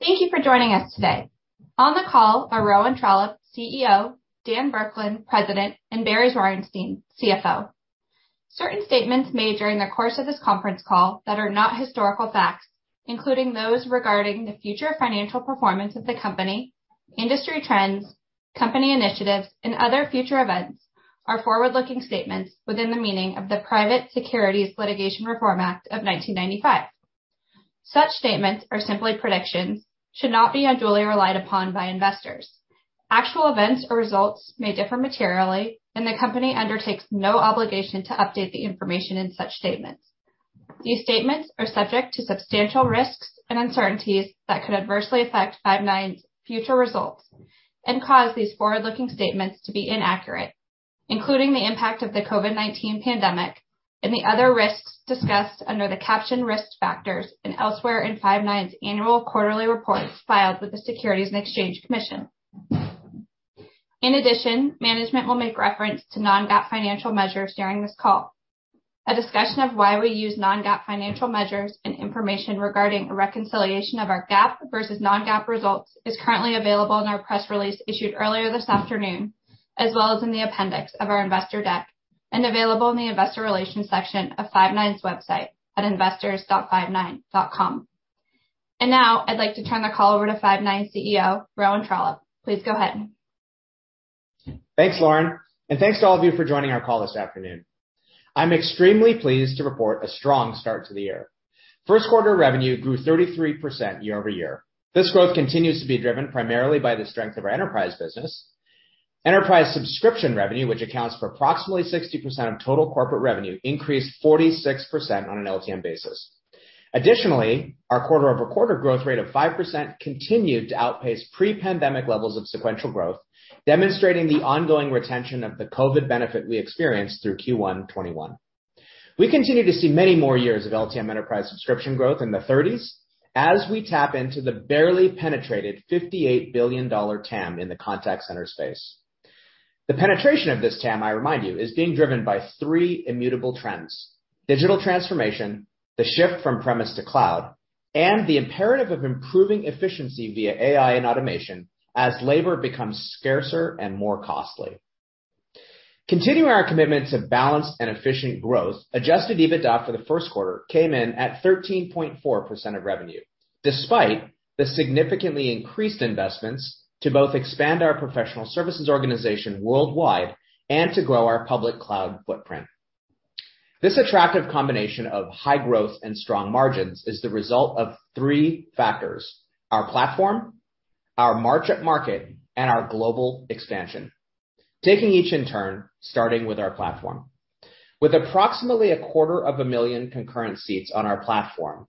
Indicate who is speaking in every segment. Speaker 1: Thank you for joining us today. On the call are Rowan Trollope, CEO, Dan Burkland, President, and Barry Zwarenstein, CFO. Certain statements made during the course of this conference call that are not historical facts, including those regarding the future financial performance of the company, industry trends, company initiatives, and other future events are forward-looking statements within the meaning of the Private Securities Litigation Reform Act of 1995. Such statements are simply predictions, should not be unduly relied upon by investors. Actual events or results may differ materially, and the company undertakes no obligation to update the information in such statements. These statements are subject to substantial risks and uncertainties that could adversely affect Five9's future results and cause these forward-looking statements to be inaccurate, including the impact of the COVID-19 pandemic and the other risks discussed under the caption Risk Factors and elsewhere in Five9's annual and quarterly reports filed with the Securities and Exchange Commission. In addition, management will make reference to non-GAAP financial measures during this call. A discussion of why we use non-GAAP financial measures and information regarding a reconciliation of our GAAP versus non-GAAP results is currently available in our press release issued earlier this afternoon, as well as in the appendix of our investor deck and available in the investor relations section of Five9's website at investors.five9.com. Now I'd like to turn the call over to Five9 CEO, Rowan Trollope. Please go ahead.
Speaker 2: Thanks, Lauren, and thanks to all of you for joining our call this afternoon. I'm extremely pleased to report a strong start to the year. First quarter revenue grew 33% year-over-year. This growth continues to be driven primarily by the strength of our enterprise business. Enterprise subscription revenue, which accounts for approximately 60% of total corporate revenue, increased 46% on an LTM basis. Additionally, our quarter-over-quarter growth rate of 5% continued to outpace pre-pandemic levels of sequential growth, demonstrating the ongoing retention of the COVID benefit we experienced through Q1 2021. We continue to see many more years of LTM enterprise subscription growth in the thirties as we tap into the barely penetrated $58 billion TAM in the contact center space. The penetration of this TAM, I remind you, is being driven by three immutable trends: digital transformation, the shift from premises to cloud, and the imperative of improving efficiency via AI and automation as labor becomes scarcer and more costly. Continuing our commitment to balanced and efficient growth, adjusted EBITDA for the first quarter came in at 13.4% of revenue, despite the significantly increased investments to both expand our professional services organization worldwide and to grow our public cloud footprint. This attractive combination of high growth and strong margins is the result of three factors: our platform, our go-to-market, and our global expansion. Taking each in turn, starting with our platform. With approximately 250,000 concurrent seats on our platform.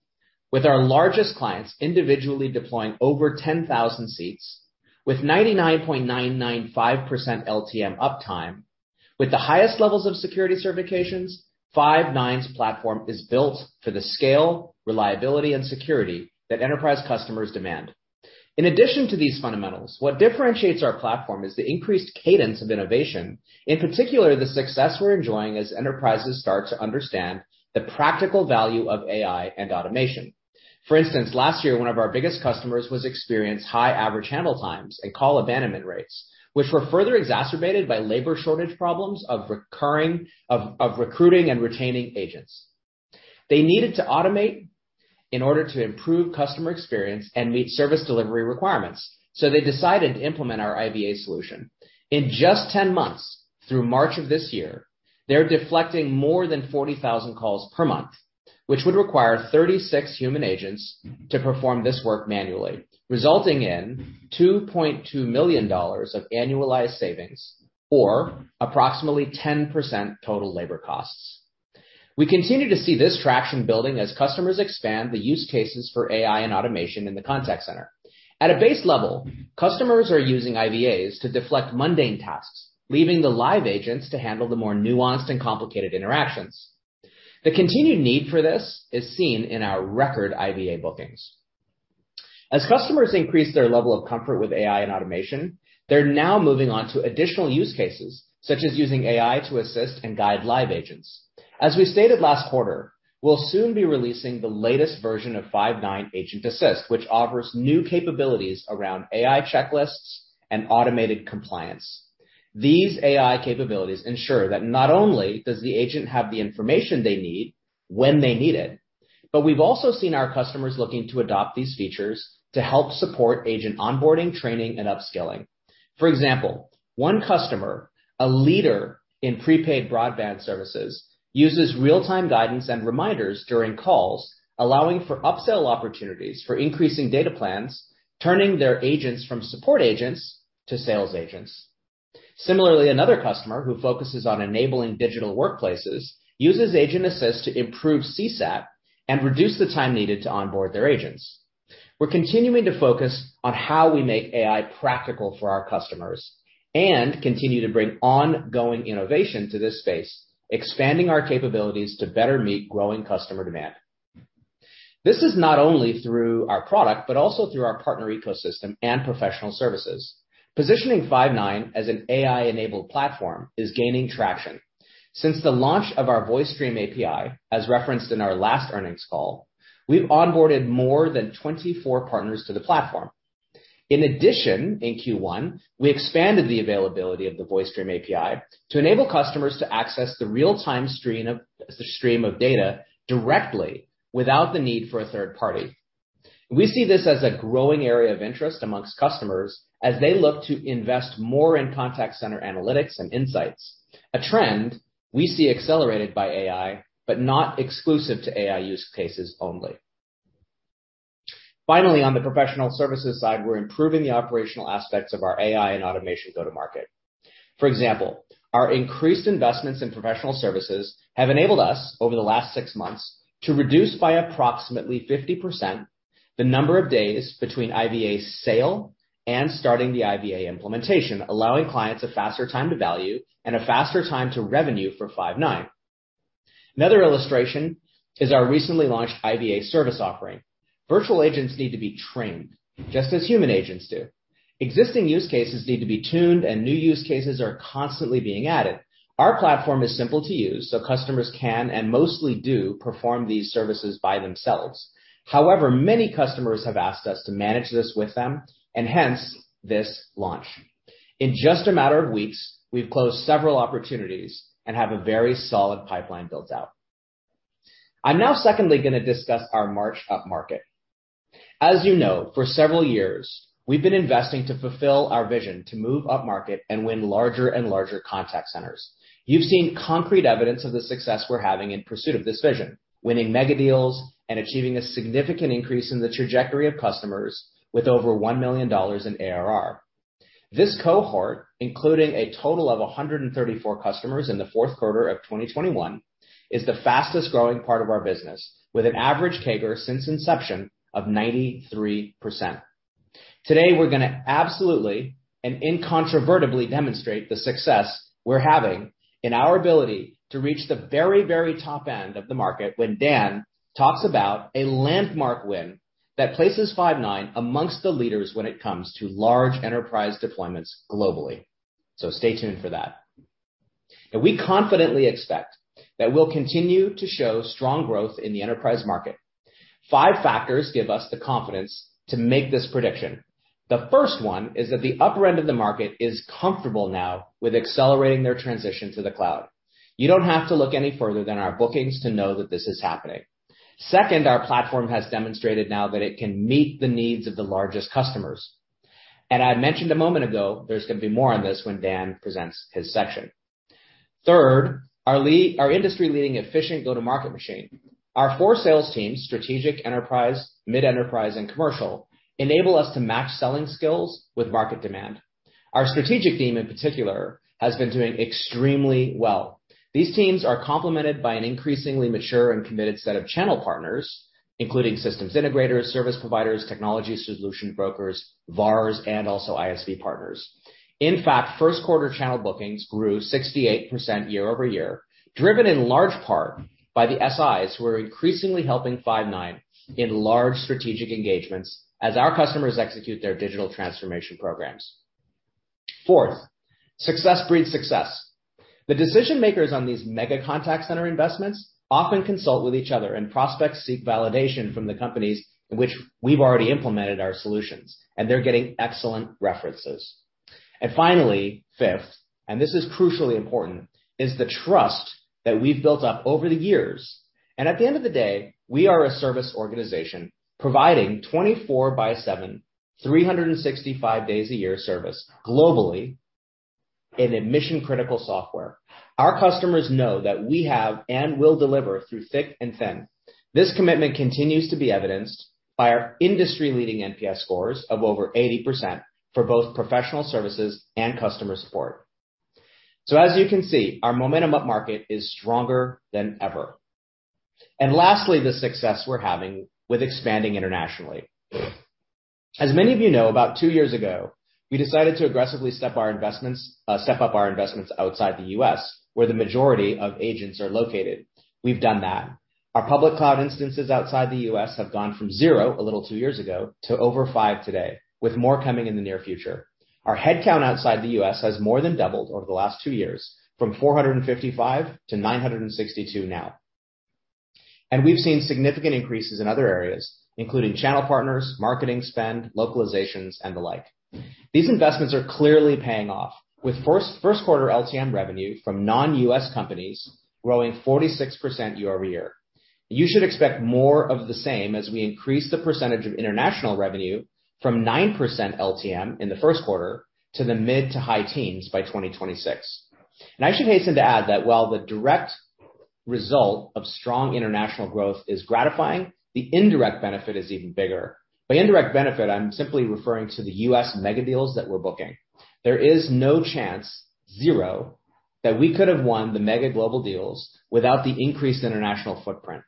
Speaker 2: With our largest clients individually deploying over 10,000 seats. With 99.995% LTM uptime. With the highest levels of security certifications, Five9's platform is built for the scale, reliability, and security that enterprise customers demand. In addition to these fundamentals, what differentiates our platform is the increased cadence of innovation, in particular, the success we're enjoying as enterprises start to understand the practical value of AI and automation. For instance, last year, one of our biggest customers was experienced high average handle times and call abandonment rates, which were further exacerbated by labor shortage problems of recruiting and retaining agents. They needed to automate in order to improve customer experience and meet service delivery requirements. They decided to implement our IVA solution. In just 10 months, through March of this year, they're deflecting more than 40,000 calls per month, which would require 36 human agents to perform this work manually, resulting in $2.2 million of annualized savings or approximately 10% total labor costs. We continue to see this traction building as customers expand the use cases for AI and automation in the contact center. At a base level, customers are using IVAs to deflect mundane tasks, leaving the live agents to handle the more nuanced and complicated interactions. The continued need for this is seen in our record IVA bookings. As customers increase their level of comfort with AI and automation, they're now moving on to additional use cases, such as using AI to assist and guide live agents. As we stated last quarter, we'll soon be releasing the latest version of Five9 Agent Assist, which offers new capabilities around AI checklists and automated compliance. These AI capabilities ensure that not only does the agent have the information they need when they need it, but we've also seen our customers looking to adopt these features to help support agent onboarding, training, and upskilling. For example, one customer, a leader in prepaid broadband services, uses real-time guidance and reminders during calls, allowing for upsell opportunities for increasing data plans, turning their agents from support agents to sales agents. Similarly, another customer who focuses on enabling digital workplaces uses Agent Assist to improve CSAT and reduce the time needed to onboard their agents. We're continuing to focus on how we make AI practical for our customers and continue to bring ongoing innovation to this space, expanding our capabilities to better meet growing customer demand. This is not only through our product, but also through our partner ecosystem and professional services. Positioning Five9 as an AI-enabled platform is gaining traction. Since the launch of our VoiceStream API, as referenced in our last earnings call, we've onboarded more than 24 partners to the platform. In addition, in Q1, we expanded the availability of the VoiceStream API to enable customers to access the real-time stream of data directly without the need for a third party. We see this as a growing area of interest among customers as they look to invest more in contact center analytics and insights, a trend we see accelerated by AI, but not exclusive to AI use cases only. Finally, on the professional services side, we're improving the operational aspects of our AI and automation go-to-market. For example, our increased investments in professional services have enabled us over the last six months to reduce by approximately 50% the number of days between IVA's sale and starting the IVA implementation, allowing clients a faster time to value and a faster time to revenue for Five9. Another illustration is our recently launched IVA service offering. Virtual agents need to be trained just as human agents do. Existing use cases need to be tuned, and new use cases are constantly being added. Our platform is simple to use, so customers can, and mostly do, perform these services by themselves. However, many customers have asked us to manage this with them, and hence this launch. In just a matter of weeks, we've closed several opportunities and have a very solid pipeline built out. I'm now secondly gonna discuss our march upmarket. As you know, for several years, we've been investing to fulfill our vision to move upmarket and win larger and larger contact centers. You've seen concrete evidence of the success we're having in pursuit of this vision, winning mega deals and achieving a significant increase in the trajectory of customers with over $1 million in ARR. This cohort, including a total of 134 customers in the fourth quarter of 2021, is the fastest-growing part of our business, with an average CAGR since inception of 93%. Today, we're gonna absolutely and incontrovertibly demonstrate the success we're having in our ability to reach the very, very top end of the market when Dan talks about a landmark win that places Five9 amongst the leaders when it comes to large enterprise deployments globally. Stay tuned for that. We confidently expect that we'll continue to show strong growth in the enterprise market. Five factors give us the confidence to make this prediction. The first one is that the upper end of the market is comfortable now with accelerating their transition to the cloud. You don't have to look any further than our bookings to know that this is happening. Second, our platform has demonstrated now that it can meet the needs of the largest customers. I mentioned a moment ago, there's gonna be more on this when Dan presents his section. Third, our industry-leading efficient go-to-market machine. Our four sales teams, strategic, enterprise, mid-enterprise, and commercial, enable us to match selling skills with market demand. Our strategic team, in particular, has been doing extremely well. These teams are complemented by an increasingly mature and committed set of channel partners, including systems integrators, service providers, technology solution brokers, VARs, and also ISV partners. In fact, first quarter channel bookings grew 68% year-over-year, driven in large part by the SIs who are increasingly helping Five9 in large strategic engagements as our customers execute their digital transformation programs. Fourth, success breeds success. The decision-makers on these mega contact center investments often consult with each other, and prospects seek validation from the companies in which we've already implemented our solutions, and they're getting excellent references. Finally, fifth, and this is crucially important, is the trust that we've built up over the years. At the end of the day, we are a service organization providing 24 by 7, 365 days a year service globally in a mission-critical software. Our customers know that we have and will deliver through thick and thin. This commitment continues to be evidenced by our industry-leading NPS scores of over 80% for both professional services and customer support. As you can see, our momentum up market is stronger than ever. Lastly, the success we're having with expanding internationally. As many of you know, about two years ago, we decided to aggressively step up our investments outside the U.S., where the majority of agents are located. We've done that. Our public cloud instances outside the U.S. have gone from zero a little over two years ago to over five today, with more coming in the near future. Our head count outside the U.S. has more than doubled over the last two years from 455-962 now. We've seen significant increases in other areas, including channel partners, marketing spend, localizations, and the like. These investments are clearly paying off. With first quarter LTM revenue from non-U.S. companies growing 46% year-over-year. You should expect more of the same as we increase the percentage of international revenue from 9% LTM in the first quarter to the mid- to high teens by 2026. I should hasten to add that while the direct result of strong international growth is gratifying, the indirect benefit is even bigger. By indirect benefit, I'm simply referring to the U.S. mega deals that we're booking. There is no chance, zero, that we could have won the mega global deals without the increased international footprint.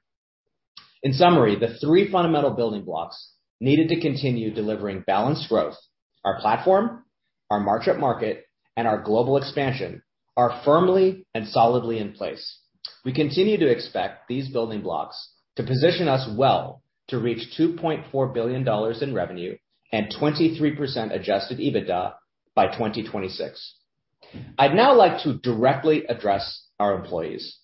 Speaker 2: In summary, the three fundamental building blocks needed to continue delivering balanced growth, our platform, our march to market and our global expansion are firmly and solidly in place. We continue to expect these building blocks to position us well to reach $2.4 billion in revenue and 23% adjusted EBITDA by 2026. I'd now like to directly address our employees.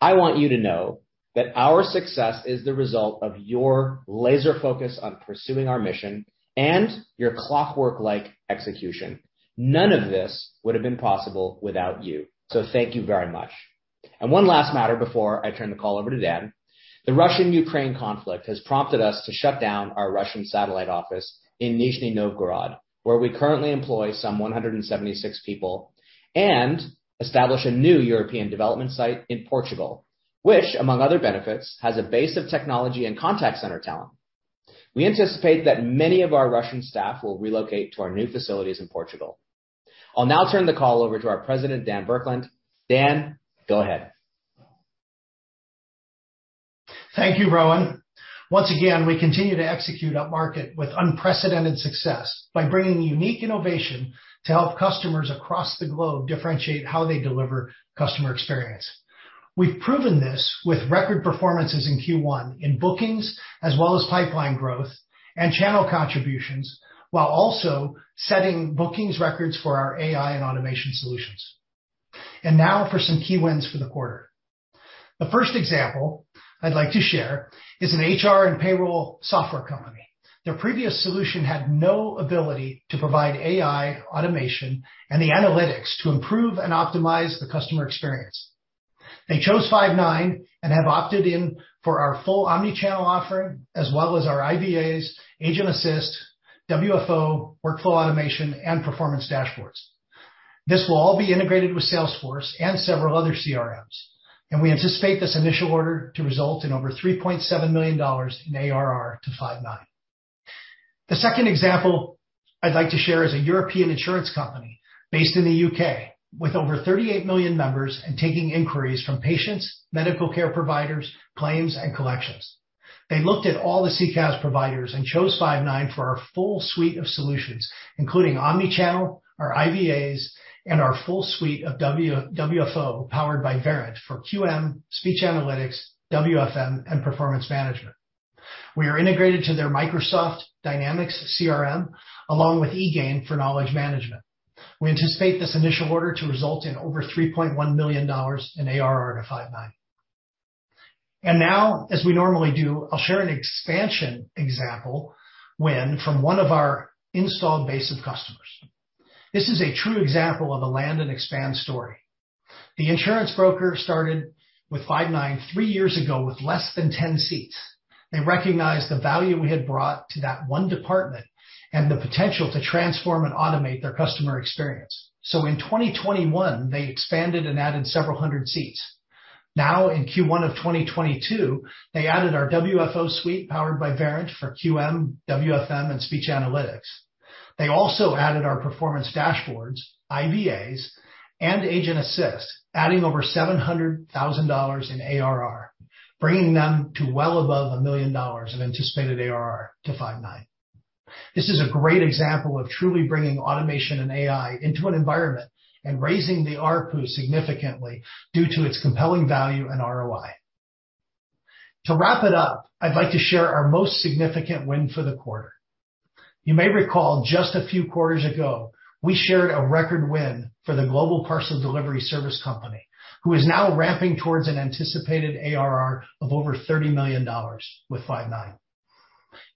Speaker 2: I want you to know that our success is the result of your laser focus on pursuing our mission and your clockwork-like execution. None of this would have been possible without you. So thank you very much. One last matter before I turn the call over to Dan. The Russian-Ukraine conflict has prompted us to shut down our Russian satellite office in Nizhny Novgorod, where we currently employ some 176 people and establish a new European development site in Portugal, which, among other benefits, has a base of technology and contact center talent. We anticipate that many of our Russian staff will relocate to our new facilities in Portugal. I'll now turn the call over to our president, Dan Burkland. Dan, go ahead.
Speaker 3: Thank you, Rowan. Once again, we continue to execute upmarket with unprecedented success by bringing unique innovation to help customers across the globe differentiate how they deliver customer experience. We've proven this with record performances in Q1 in bookings as well as pipeline growth and channel contributions, while also setting bookings records for our AI and automation solutions. Now for some key wins for the quarter. The first example I'd like to share is an HR and payroll software company. Their previous solution had no ability to provide AI automation and the analytics to improve and optimize the customer experience. They chose Five9 and have opted in for our full omni-channel offering as well as our IVAs, Agent Assist, WFO, workflow automation, and performance dashboards. This will all be integrated with Salesforce and several other CRMs. We anticipate this initial order to result in over $3.7 million in ARR to Five9. The second example I'd like to share is a European insurance company based in the UK with over 38 million members and taking inquiries from patients, medical care providers, claims, and collections. They looked at all the CCaaS providers and chose Five9 for our full suite of solutions, including omnichannel, our IVAs, and our full suite of WFO powered by Verint for QM, speech analytics, WFM, and performance management. We are integrated to their Microsoft Dynamics CRM along with eGain for knowledge management. We anticipate this initial order to result in over $3.1 million in ARR to Five9. Now, as we normally do, I'll share an expansion example win from one of our installed base of customers. This is a true example of a land and expand story. The insurance broker started with Five9 three years ago with less than 10 seats. They recognized the value we had brought to that one department and the potential to transform and automate their customer experience. In 2021, they expanded and added several hundred seats. Now in Q1 of 2022, they added our WFO suite powered by Verint for QM, WFM, and speech analytics. They also added our performance dashboards, IVAs, and Agent Assist, adding over $700,000 in ARR, bringing them to well above $1 million of anticipated ARR to Five9. This is a great example of truly bringing automation and AI into an environment and raising the ARPU significantly due to its compelling value and ROI. To wrap it up, I'd like to share our most significant win for the quarter. You may recall just a few quarters ago, we shared a record win for the global parcel delivery service company, who is now ramping towards an anticipated ARR of over $30 million with Five9.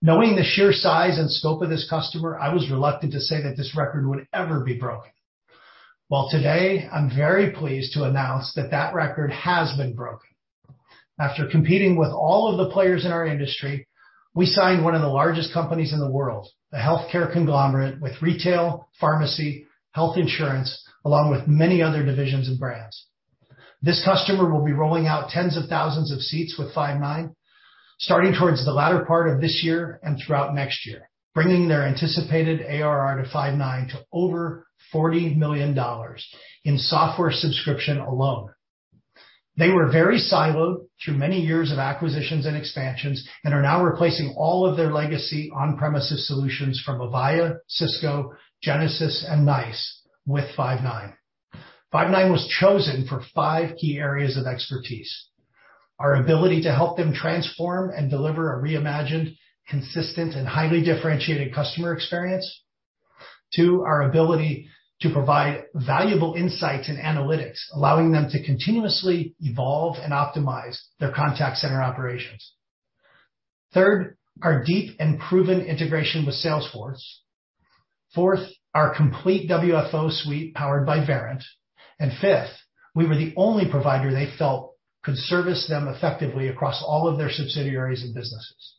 Speaker 3: Knowing the sheer size and scope of this customer, I was reluctant to say that this record would ever be broken. Well, today, I'm very pleased to announce that that record has been broken. After competing with all of the players in our industry, we signed one of the largest companies in the world, a healthcare conglomerate with retail, pharmacy, health insurance, along with many other divisions and brands. This customer will be rolling out tens of thousands of seats with Five9, starting towards the latter part of this year and throughout next year, bringing their anticipated ARR to Five9 to over $40 million in software subscription alone. They were very siloed through many years of acquisitions and expansions and are now replacing all of their legacy on-premises solutions from Avaya, Cisco, Genesys, and NICE with Five9. Five9 was chosen for five key areas of expertise. Our ability to help them transform and deliver a reimagined, consistent, and highly differentiated customer experience. Two, our ability to provide valuable insights and analytics, allowing them to continuously evolve and optimize their contact center operations. Third, our deep and proven integration with Salesforce. Fourth, our complete WFO suite powered by Verint. Fifth, we were the only provider they felt could service them effectively across all of their subsidiaries and businesses.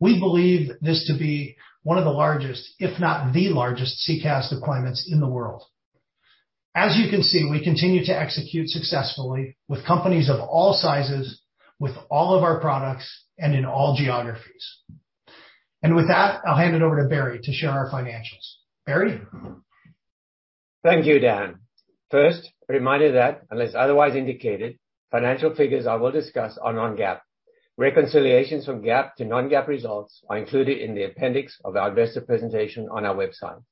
Speaker 3: We believe this to be one of the largest, if not the largest CCaaS deployments in the world. As you can see, we continue to execute successfully with companies of all sizes, with all of our products, and in all geographies. With that, I'll hand it over to Barry to share our financials. Barry?
Speaker 4: Thank you, Dan. First, a reminder that unless otherwise indicated, financial figures I will discuss are non-GAAP. Reconciliations from GAAP to non-GAAP results are included in the appendix of our investor presentation on our website.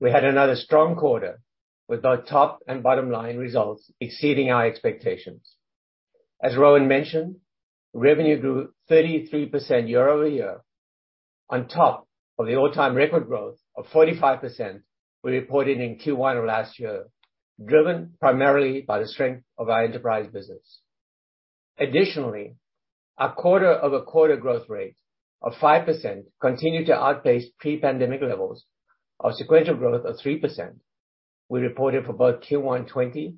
Speaker 4: We had another strong quarter with both top and bottom line results exceeding our expectations. As Rowan mentioned, revenue grew 33% year-over-year on top of the all-time record growth of 45% we reported in Q1 of last year, driven primarily by the strength of our enterprise business. Additionally, our quarter-over-quarter growth rate of 5% continued to outpace pre-pandemic levels of sequential growth of 3% we reported for both Q1 2020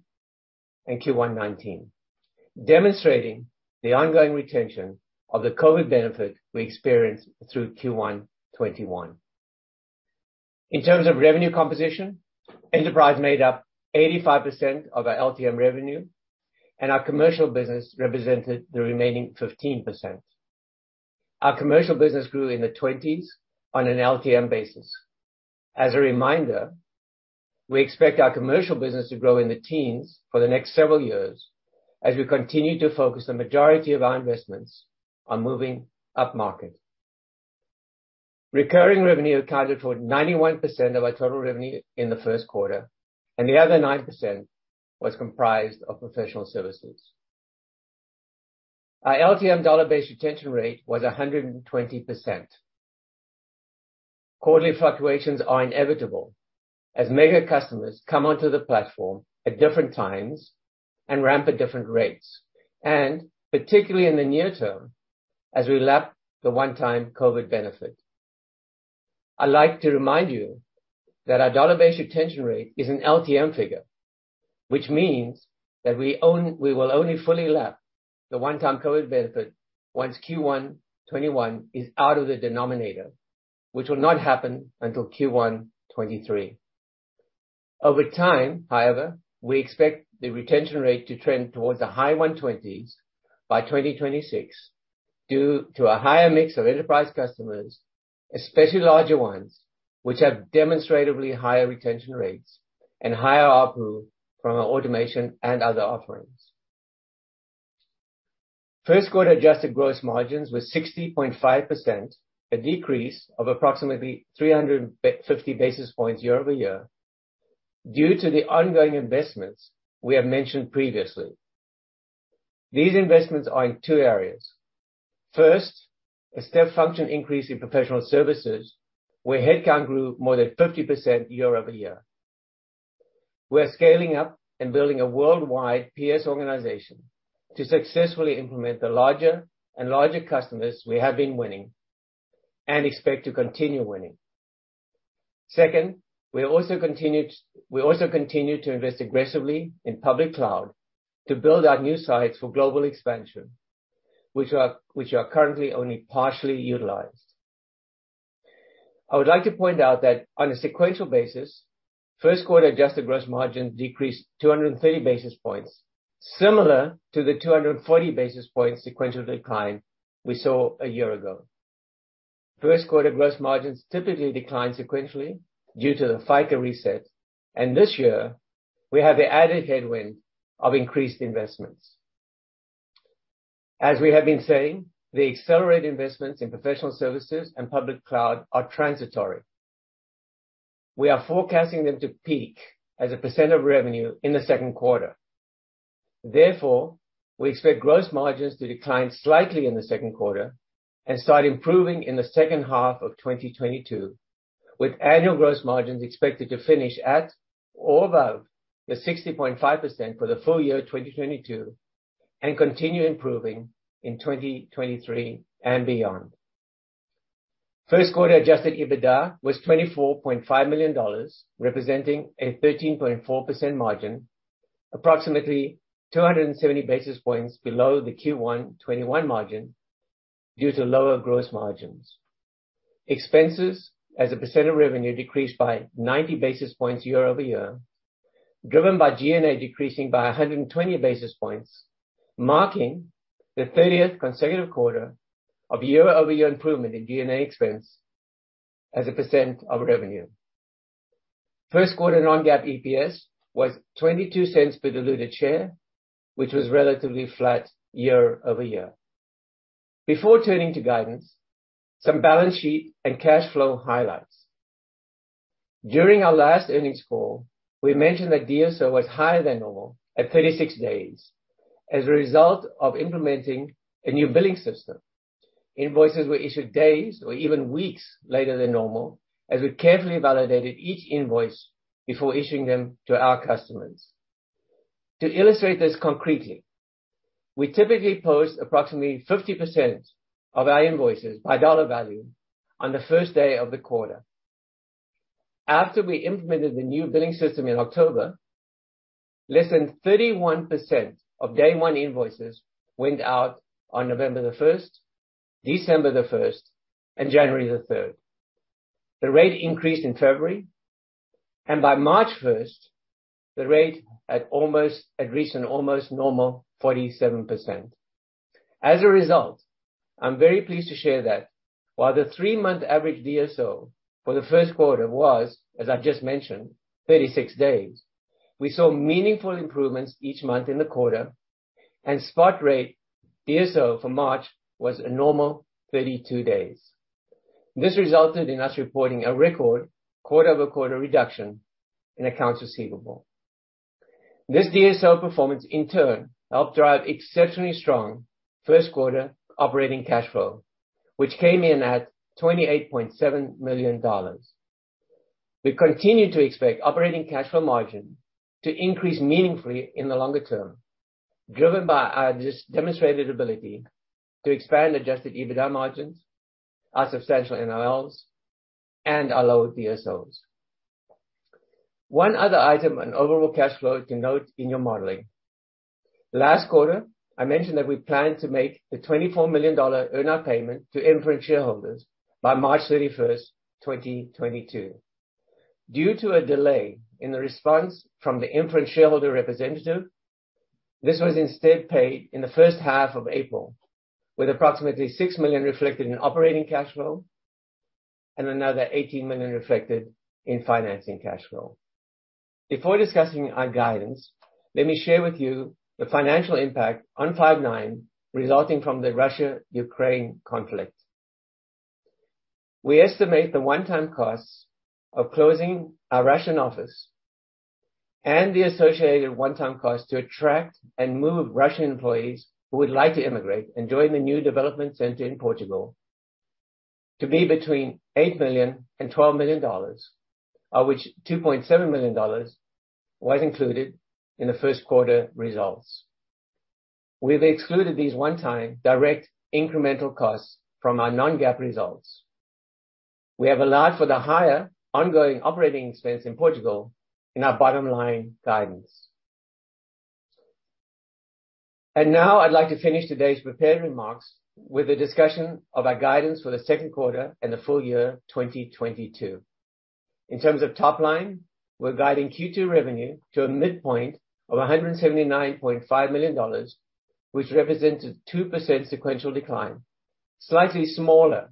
Speaker 4: and Q1 2019, demonstrating the ongoing retention of the COVID benefit we experienced through Q1 2021. In terms of revenue composition, enterprise made up 85% of our LTM revenue, and our commercial business represented the remaining 15%. Our commercial business grew in the 20s on an LTM basis. As a reminder, we expect our commercial business to grow in the teens for the next several years as we continue to focus the majority of our investments on moving up-market. Recurring revenue accounted for 91% of our total revenue in the first quarter, and the other 9% was comprised of professional services. Our LTM dollar-based retention rate was 120%. Quarterly fluctuations are inevitable as mega customers come onto the platform at different times and ramp at different rates, and particularly in the near term, as we lap the one-time COVID benefit. I like to remind you that our dollar-based retention rate is an LTM figure, which means that we will only fully lap the one-time COVID benefit once Q1 2021 is out of the denominator, which will not happen until Q1 2023. Over time, however, we expect the retention rate to trend towards the high 120s by 2026 due to a higher mix of enterprise customers, especially larger ones, which have demonstratively higher retention rates and higher ARPU from our automation and other offerings. First quarter adjusted gross margins were 60.5%, a decrease of approximately 350 basis points year-over-year due to the ongoing investments we have mentioned previously. These investments are in two areas. First, a step function increase in professional services, where headcount grew more than 50% year-over-year. We are scaling up and building a worldwide PS organization to successfully implement the larger and larger customers we have been winning and expect to continue winning. Second, we continue to invest aggressively in public cloud to build our new sites for global expansion, which are currently only partially utilized. I would like to point out that on a sequential basis, first quarter adjusted gross margin decreased 230 basis points, similar to the 240 basis points sequential decline we saw a year ago. First quarter gross margins typically decline sequentially due to the FICA reset, and this year we have the added headwind of increased investments. As we have been saying, the accelerated investments in professional services and public cloud are transitory. We are forecasting them to peak as a % of revenue in the second quarter. Therefore, we expect gross margins to decline slightly in the second quarter and start improving in the second half of 2022, with annual gross margins expected to finish at or above the 60.5% for the full year 2022 and continue improving in 2023 and beyond. First quarter adjusted EBITDA was $24.5 million, representing a 13.4% margin, approximately 270 basis points below the Q1 2021 margin due to lower gross margins. Expenses as a percent of revenue decreased by 90 basis points year-over-year, driven by G&A decreasing by 120 basis points, marking the 30th consecutive quarter of year-over-year improvement in G&A expense as a percent of revenue. First quarter non-GAAP EPS was $0.22 per diluted share, which was relatively flat year-over-year. Before turning to guidance, some balance sheet and cash flow highlights. During our last earnings call, we mentioned that DSO was higher than normal at 36 days as a result of implementing a new billing system. Invoices were issued days or even weeks later than normal as we carefully validated each invoice before issuing them to our customers. To illustrate this concretely, we typically post approximately 50% of our invoices by dollar value on the first day of the quarter. After we implemented the new billing system in October, less than 31% of day 1 invoices went out on November the first, December the first, and January the third. The rate had almost reached an almost normal 47%. As a result, I'm very pleased to share that while the three-month average DSO for the first quarter was, as I just mentioned, 36 days, we saw meaningful improvements each month in the quarter, and spot rate DSO for March was a normal 32 days. This resulted in us reporting a record quarter-over-quarter reduction in accounts receivable. This DSO performance in turn helped drive exceptionally strong first quarter operating cash flow, which came in at $28.7 million. We continue to expect operating cash flow margin to increase meaningfully in the longer term, driven by our demonstrated ability to expand adjusted EBITDA margins, our substantial NOLs, and our low DSOs. One other item on overall cash flow to note in your modeling. Last quarter, I mentioned that we planned to make the $24 million earnout payment to Inference shareholders by March 31, 2022. Due to a delay in the response from the Inference shareholder representative, this was instead paid in the first half of April, with approximately $6 million reflected in operating cash flow and another $18 million reflected in financing cash flow. Before discussing our guidance, let me share with you the financial impact on Five9 resulting from the Russia-Ukraine conflict. We estimate the one-time costs of closing our Russian office and the associated one-time cost to attract and move Russian employees who would like to immigrate and join the new development center in Portugal to be between $8 million and $12 million, of which $2.7 million was included in the first quarter results. We've excluded these one-time direct incremental costs from our non-GAAP results. We have allowed for the higher ongoing operating expense in Portugal in our bottom line guidance. Now I'd like to finish today's prepared remarks with a discussion of our guidance for the second quarter and the full year 2022. In terms of top line, we're guiding Q2 revenue to a midpoint of $179.5 million, which represents a 2% sequential decline. Slightly smaller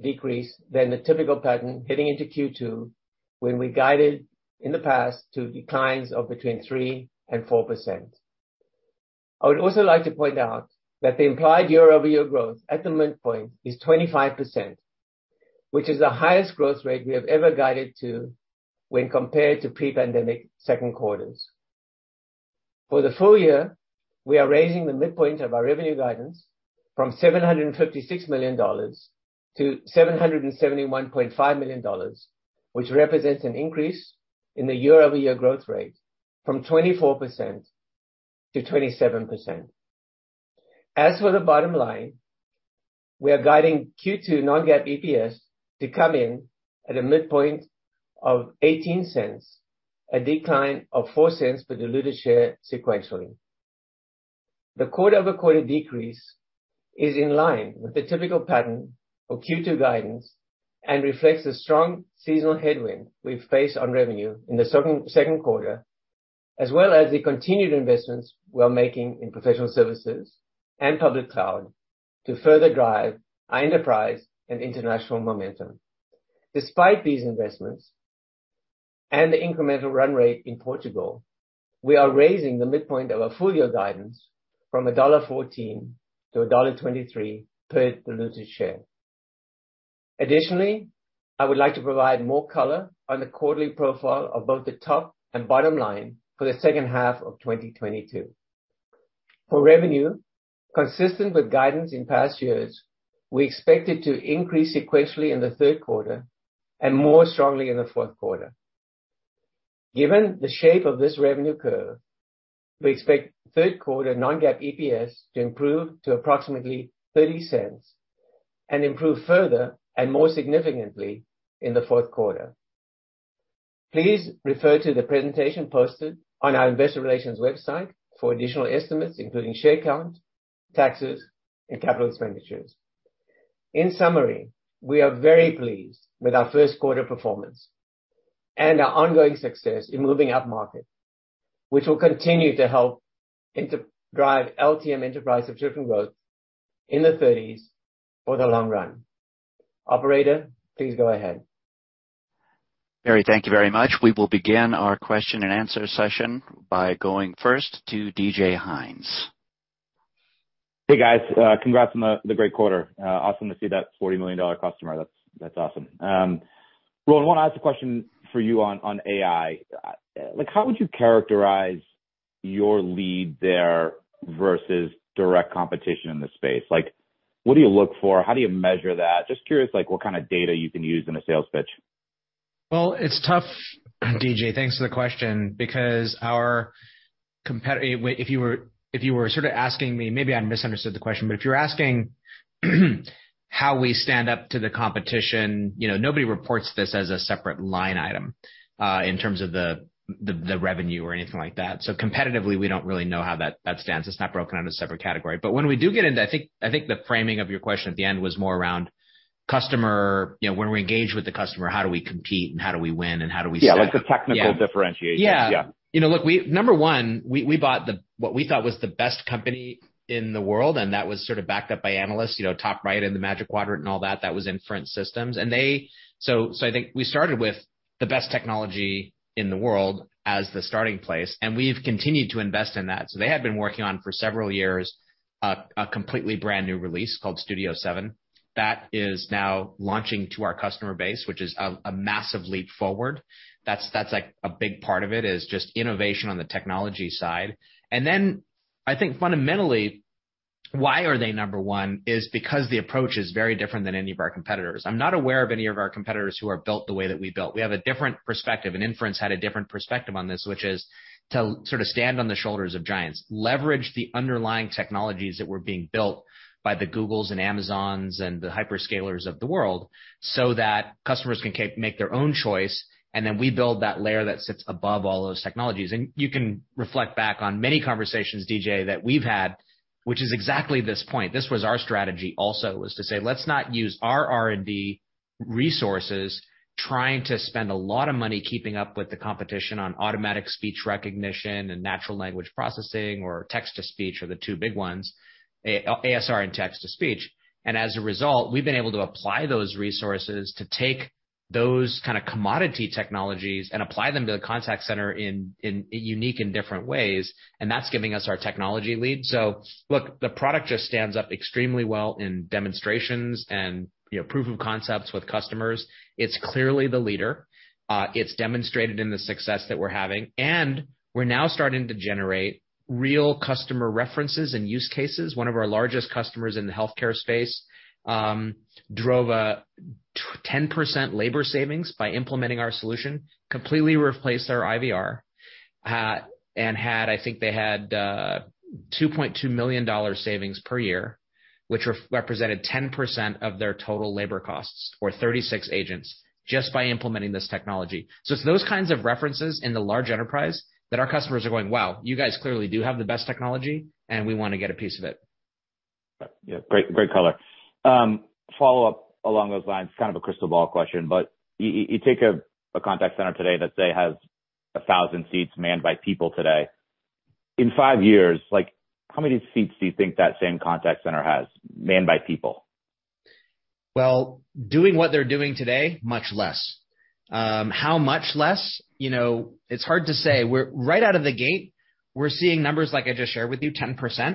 Speaker 4: decrease than the typical pattern heading into Q2 when we guided in the past to declines of between 3% and 4%. I would also like to point out that the implied year-over-year growth at the midpoint is 25%, which is the highest growth rate we have ever guided to when compared to pre-pandemic second quarters. For the full year, we are raising the midpoint of our revenue guidance from $756 million to $771.5 million, which represents an increase in the year-over-year growth rate from 24% to 27%. As for the bottom line, we are guiding Q2 non-GAAP EPS to come in at a midpoint of 18 cents, a decline of 4 cents per diluted share sequentially. The quarter-over-quarter decrease is in line with the typical pattern for Q2 guidance and reflects the strong seasonal headwind we face on revenue in the second quarter, as well as the continued investments we are making in professional services and public cloud to further drive our enterprise and international momentum. Despite these investments and the incremental run rate in Portugal, we are raising the midpoint of our full year guidance from $1.14 to $1.23 per diluted share. Additionally, I would like to provide more color on the quarterly profile of both the top and bottom line for the second half of 2022. For revenue, consistent with guidance in past years, we expect it to increase sequentially in the third quarter and more strongly in the fourth quarter. Given the shape of this revenue curve, we expect third quarter non-GAAP EPS to improve to approximately $0.30 and improve further and more significantly in the fourth quarter. Please refer to the presentation posted on our investor relations website for additional estimates, including share count, taxes, and capital expenditures. In summary, we are very pleased with our first quarter performance and our ongoing success in moving upmarket, which will continue to help drive LTM enterprise subscription growth in the thirties for the long run. Operator, please go ahead.
Speaker 5: Barry, thank you very much. We will begin our question and answer session by going first to D.J. Hynes.
Speaker 6: Hey, guys. Congrats on the great quarter. Awesome to see that $40 million customer. That's awesome. Rowan, wanna ask a question for you on AI. Like, how would you characterize your lead there versus direct competition in the space? Like what do you look for? How do you measure that? Just curious, like what kind of data you can use in a sales pitch.
Speaker 2: Well, it's tough, D.J. Thanks for the question. Wait, if you were sort of asking me, maybe I misunderstood the question. If you're asking how we stand up to the competition, you know, nobody reports this as a separate line item in terms of the revenue or anything like that. Competitively, we don't really know how that stands. It's not broken into a separate category. I think the framing of your question at the end was more around customer. You know, when we engage with the customer, how do we compete and how do we win and how do we
Speaker 6: Yeah, like the technical differentiation.
Speaker 2: Yeah.
Speaker 6: Yeah.
Speaker 2: You know, look, we bought what we thought was the best company in the world, and that was sort of backed up by analysts, you know, top right in the magic quadrant and all that was Inference Solutions. They had been working on for several years, a completely brand-new release called Studio 7. That is now launching to our customer base, which is a massive leap forward. That's like a big part of it, is just innovation on the technology side. Then I think fundamentally, why they are number one is because the approach is very different than any of our competitors. I'm not aware of any of our competitors who are built the way that we built. We have a different perspective, and Inference had a different perspective on this, which is to sort of stand on the shoulders of giants. Leverage the underlying technologies that were being built by the Googles and Amazons and the hyperscalers of the world so that customers can make their own choice, and then we build that layer that sits above all those technologies. You can reflect back on many conversations, DJ, that we've had, which is exactly this point. This was our strategy also to say, "Let's not use our R&D resources trying to spend a lot of money keeping up with the competition on automatic speech recognition and natural language processing or text-to-speech, are the two big ones, ASR and text-to-speech. As a result, we've been able to apply those resources to take those kind of commodity technologies and apply them to the contact center in unique and different ways, and that's giving us our technology lead. Look, the product just stands up extremely well in demonstrations and, you know, proof of concepts with customers. It's clearly the leader. It's demonstrated in the success that we're having, and we're now starting to generate real customer references and use cases. One of our largest customers in the healthcare space drove a 10% labor savings by implementing our solution, completely replaced our IVR, and had. I think they had $2.2 million savings per year, which represented 10% of their total labor costs or 36 agents just by implementing this technology. It's those kinds of references in the large enterprise that our customers are going, "Wow, you guys clearly do have the best technology, and we wanna get a piece of it.
Speaker 6: Yeah. Great, great color. Follow-up along those lines, kind of a crystal ball question, but you take a contact center today that, say, has 1,000 seats manned by people today. In 5 years, like, how many seats do you think that same contact center has manned by people?
Speaker 2: Well, doing what they're doing today, much less. How much less, you know, it's hard to say. Right out of the gate, we're seeing numbers like I just shared with you, 10%.
Speaker 6: Yeah.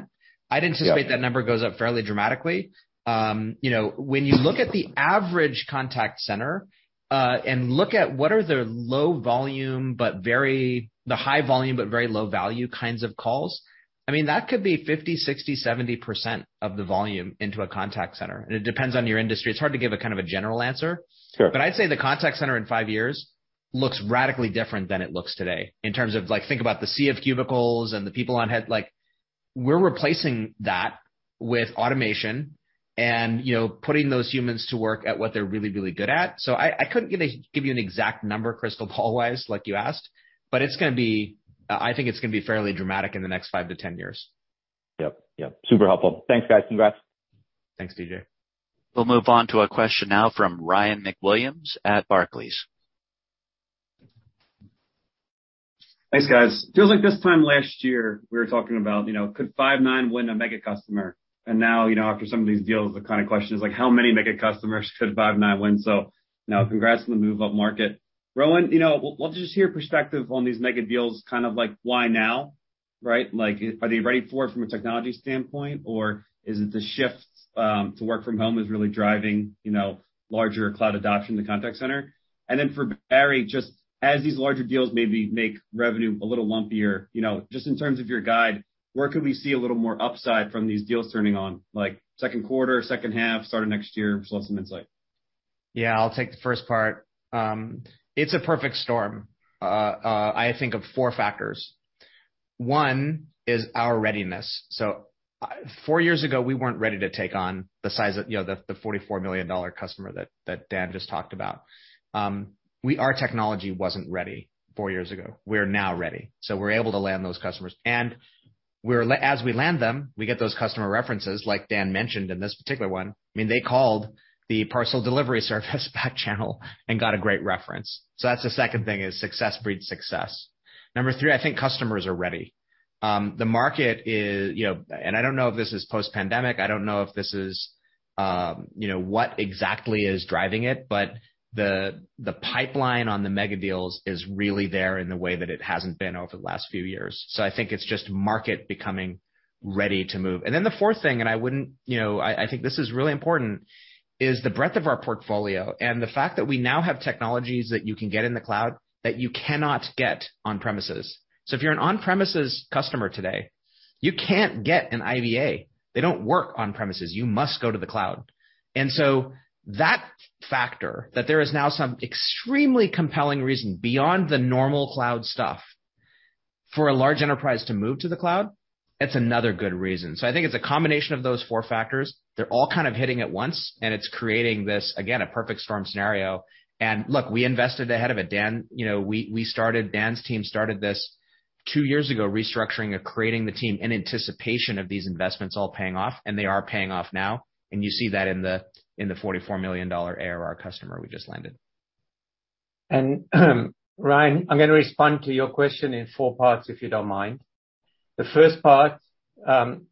Speaker 2: I'd anticipate that number goes up fairly dramatically. You know, when you look at the average contact center and look at what are the high volume but very low value kinds of calls, I mean, that could be 50%, 60%, 70% of the volume into a contact center. It depends on your industry. It's hard to give a kind of a general answer.
Speaker 6: Sure.
Speaker 2: I'd say the contact center in five years looks radically different than it looks today in terms of, like, think about the sea of cubicles and the people on headsets. Like, we're replacing that with automation and, you know, putting those humans to work at what they're really, really good at. I couldn't give you an exact number crystal ball-wise, like you asked, but it's gonna be fairly dramatic in the next five to 10 years.
Speaker 6: Yep, yep. Super helpful. Thanks, guys. Congrats.
Speaker 2: Thanks, DJ.
Speaker 5: We'll move on to a question now from Ryan MacWilliams at Barclays.
Speaker 7: Thanks, guys. Feels like this time last year we were talking about, you know, could Five9 win a mega customer? Now, you know, after some of these deals, the kind of question is like, how many mega customers could Five9 win? Now congrats on the move-up market. Rowan, you know, we'll just hear perspective on these mega deals, kind of like why now, right? Like, are they ready for it from a technology standpoint, or is it the shift to work from home is really driving, you know, larger cloud adoption in the contact center? Then for Barry, just as these larger deals maybe make revenue a little lumpier, you know, just in terms of your guide, where could we see a little more upside from these deals turning on, like second quarter, second half, start of next year? Just want some insight.
Speaker 2: Yeah. I'll take the first part. It's a perfect storm. I think of four factors. One is our readiness. Four years ago, we weren't ready to take on the size of, you know, the $44 million customer that Dan just talked about. Our technology wasn't ready four years ago. We're now ready, so we're able to land those customers. As we land them, we get those customer references, like Dan mentioned in this particular one. I mean, they called the parcel delivery service back channel and got a great reference. That's the second thing, is success breeds success. Number three, I think customers are ready. The market is, you know... I don't know if this is post-pandemic, I don't know if this is, you know, what exactly is driving it, but the pipeline on the mega deals is really there in the way that it hasn't been over the last few years. I think it's just market becoming ready to move. Then the fourth thing, you know, I think this is really important, is the breadth of our portfolio and the fact that we now have technologies that you can get in the cloud that you cannot get on-premises. If you're an on-premises customer today, you can't get an IVA. They don't work on-premises. You must go to the cloud. That factor, that there is now some extremely compelling reason beyond the normal cloud stuff for a large enterprise to move to the cloud, it's another good reason. I think it's a combination of those four factors. They're all kind of hitting at once, and it's creating this, again, a perfect storm scenario. Look, we invested ahead of it, Dan. You know, Dan's team started this two years ago, restructuring or creating the team in anticipation of these investments all paying off, and they are paying off now. You see that in the $44 million ARR customer we just landed.
Speaker 4: Ryan, I'm gonna respond to your question in 4 parts if you don't mind. The first part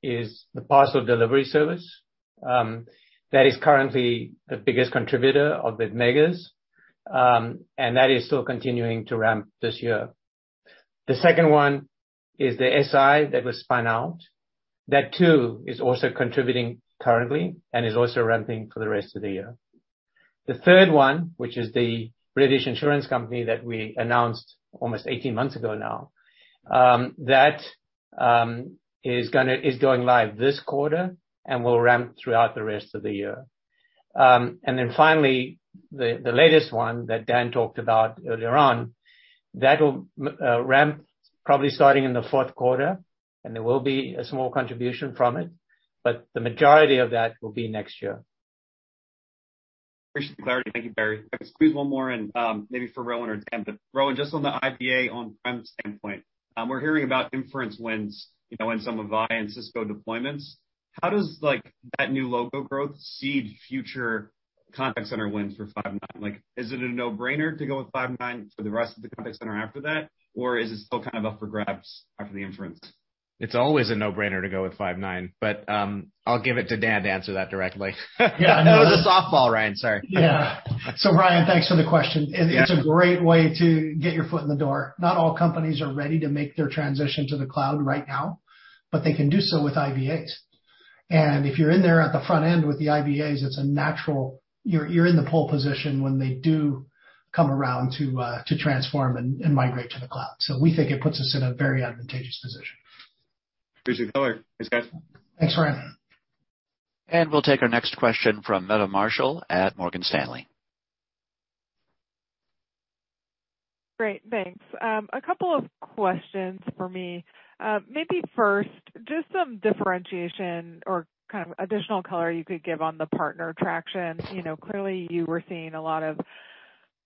Speaker 4: is the parcel delivery service. That is currently the biggest contributor of the megas. That is still continuing to ramp this year. The second one is the SI that was spun out. That too is also contributing currently and is also ramping for the rest of the year. The third one, which is the British insurance company that we announced almost 18 months ago now, is going live this quarter and will ramp throughout the rest of the year. Finally the latest one that Dan talked about earlier on, that'll ramp probably starting in the fourth quarter, and there will be a small contribution from it, but the majority of that will be next year.
Speaker 7: Appreciate the clarity. Thank you, Barry. If I could squeeze one more in, maybe for Rowan or Dan. Rowan, just on the IVA on-prem standpoint, we're hearing about Inference wins, you know, in some of IVR and Cisco deployments. How does, like, that new logo growth seed future contact center wins for Five9? Like, is it a no-brainer to go with Five9 for the rest of the contact center after that? Or is it still kind of up for grabs after the Inference?
Speaker 2: It's always a no-brainer to go with Five9, but, I'll give it to Dan to answer that directly.
Speaker 7: Yeah, I know.
Speaker 2: It was a softball, Ryan, sorry.
Speaker 3: Yeah. Ryan, thanks for the question.
Speaker 7: Yeah.
Speaker 3: It's a great way to get your foot in the door. Not all companies are ready to make their transition to the cloud right now, but they can do so with IVAs. If you're in there at the front end with the IVAs, you're in the pole position when they do come around to transform and migrate to the cloud. We think it puts us in a very advantageous position.
Speaker 7: Appreciate the color. Thanks, guys.
Speaker 3: Thanks, Ryan.
Speaker 5: We'll take our next question from Meta Marshall at Morgan Stanley.
Speaker 8: Great, thanks. A couple of questions for me. Maybe first, just some differentiation or kind of additional color you could give on the partner traction. Clearly you were seeing a lot of.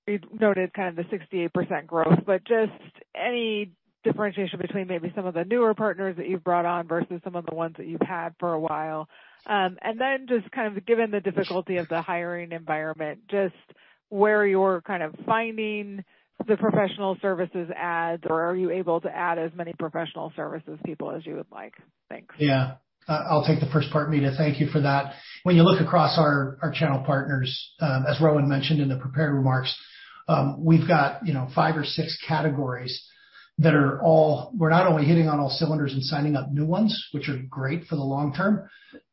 Speaker 8: You noted kind of the 68% growth, but just any differentiation between maybe some of the newer partners that you've brought on versus some of the ones that you've had for a while. And then just kind of given the difficulty of the hiring environment, just where you're kind of finding the professional services adds, or are you able to add as many professional services people as you would like? Thanks.
Speaker 3: Yeah. I'll take the first part, Mita, thank you for that. When you look across our channel partners, as Rowan mentioned in the prepared remarks, we've got, you know, five or six categories that are all we're not only hitting on all cylinders and signing up new ones, which are great for the long term,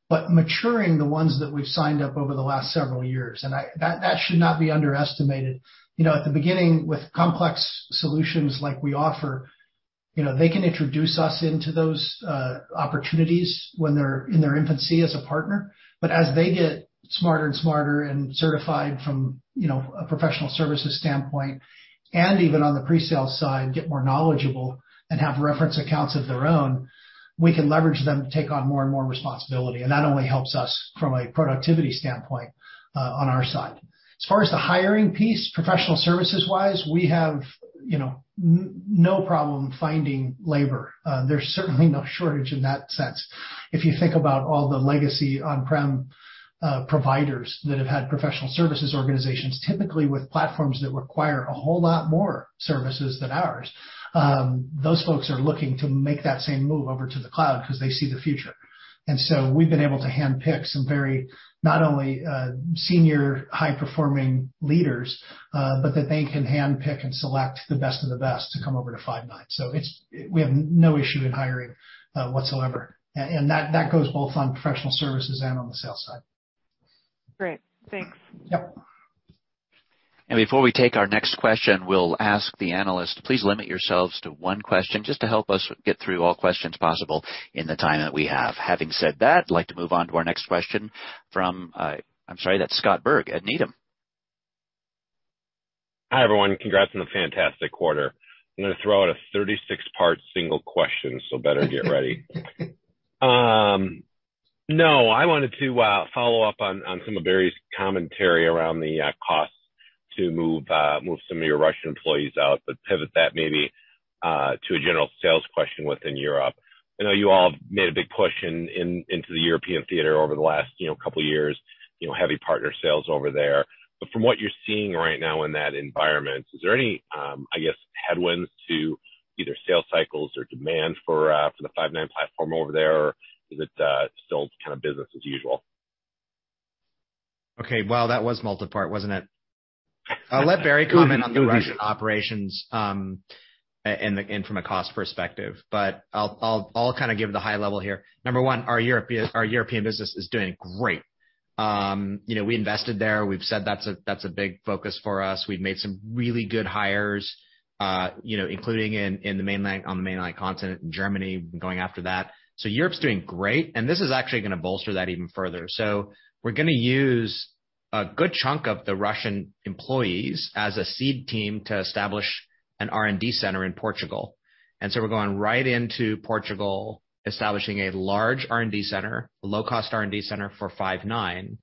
Speaker 3: but maturing the ones that we've signed up over the last several years. That should not be underestimated. You know, at the beginning with complex solutions like we offer, you know, they can introduce us into those opportunities when they're in their infancy as a partner. As they get smarter and smarter and certified from, you know, a professional services standpoint, and even on the pre-sales side, get more knowledgeable and have reference accounts of their own, we can leverage them to take on more and more responsibility. That only helps us from a productivity standpoint, on our side. As far as the hiring piece, professional services wise, we have, you know, no problem finding labor. There's certainly no shortage in that sense. If you think about all the legacy on-prem providers that have had professional services organizations, typically with platforms that require a whole lot more services than ours, those folks are looking to make that same move over to the cloud 'cause they see the future. We've been able to handpick some very, not only senior high-performing leaders, but that they can handpick and select the best of the best to come over to Five9. We have no issue in hiring whatsoever. That goes both on professional services and on the sales side.
Speaker 8: Great. Thanks.
Speaker 3: Yep.
Speaker 5: Before we take our next question, we'll ask the analysts, please limit yourselves to one question just to help us get through all questions possible in the time that we have. Having said that, I'd like to move on to our next question from, I'm sorry, that's Scott Berg at Needham.
Speaker 9: Hi, everyone. Congrats on the fantastic quarter. I'm gonna throw out a 36-part single question, so better get ready. No, I wanted to follow up on some of Barry's commentary around the costs to move some of your Russian employees out, but pivot that maybe to a general sales question within Europe. I know you all have made a big push into the European theater over the last, you know, couple years, you know, heavy partner sales over there. From what you're seeing right now in that environment, is there any, I guess, headwinds to either sales cycles or demand for the Five9 platform over there, or is it still kind of business as usual?
Speaker 2: Okay. Well, that was multipart, wasn't it? I'll let Barry comment.
Speaker 9: Good vision.
Speaker 2: On the Russian operations and from a cost perspective, but I'll kind of give the high level here. Number one, our European business is doing great. You know, we invested there. We've said that's a big focus for us. We've made some really good hires, you know, including in the mainland, on the continent in Germany, going after that. Europe's doing great, and this is actually gonna bolster that even further. We're gonna use a good chunk of the Russian employees as a seed team to establish an R&D center in Portugal. We're going right into Portugal, establishing a large R&D center, low-cost R&D center for Five9.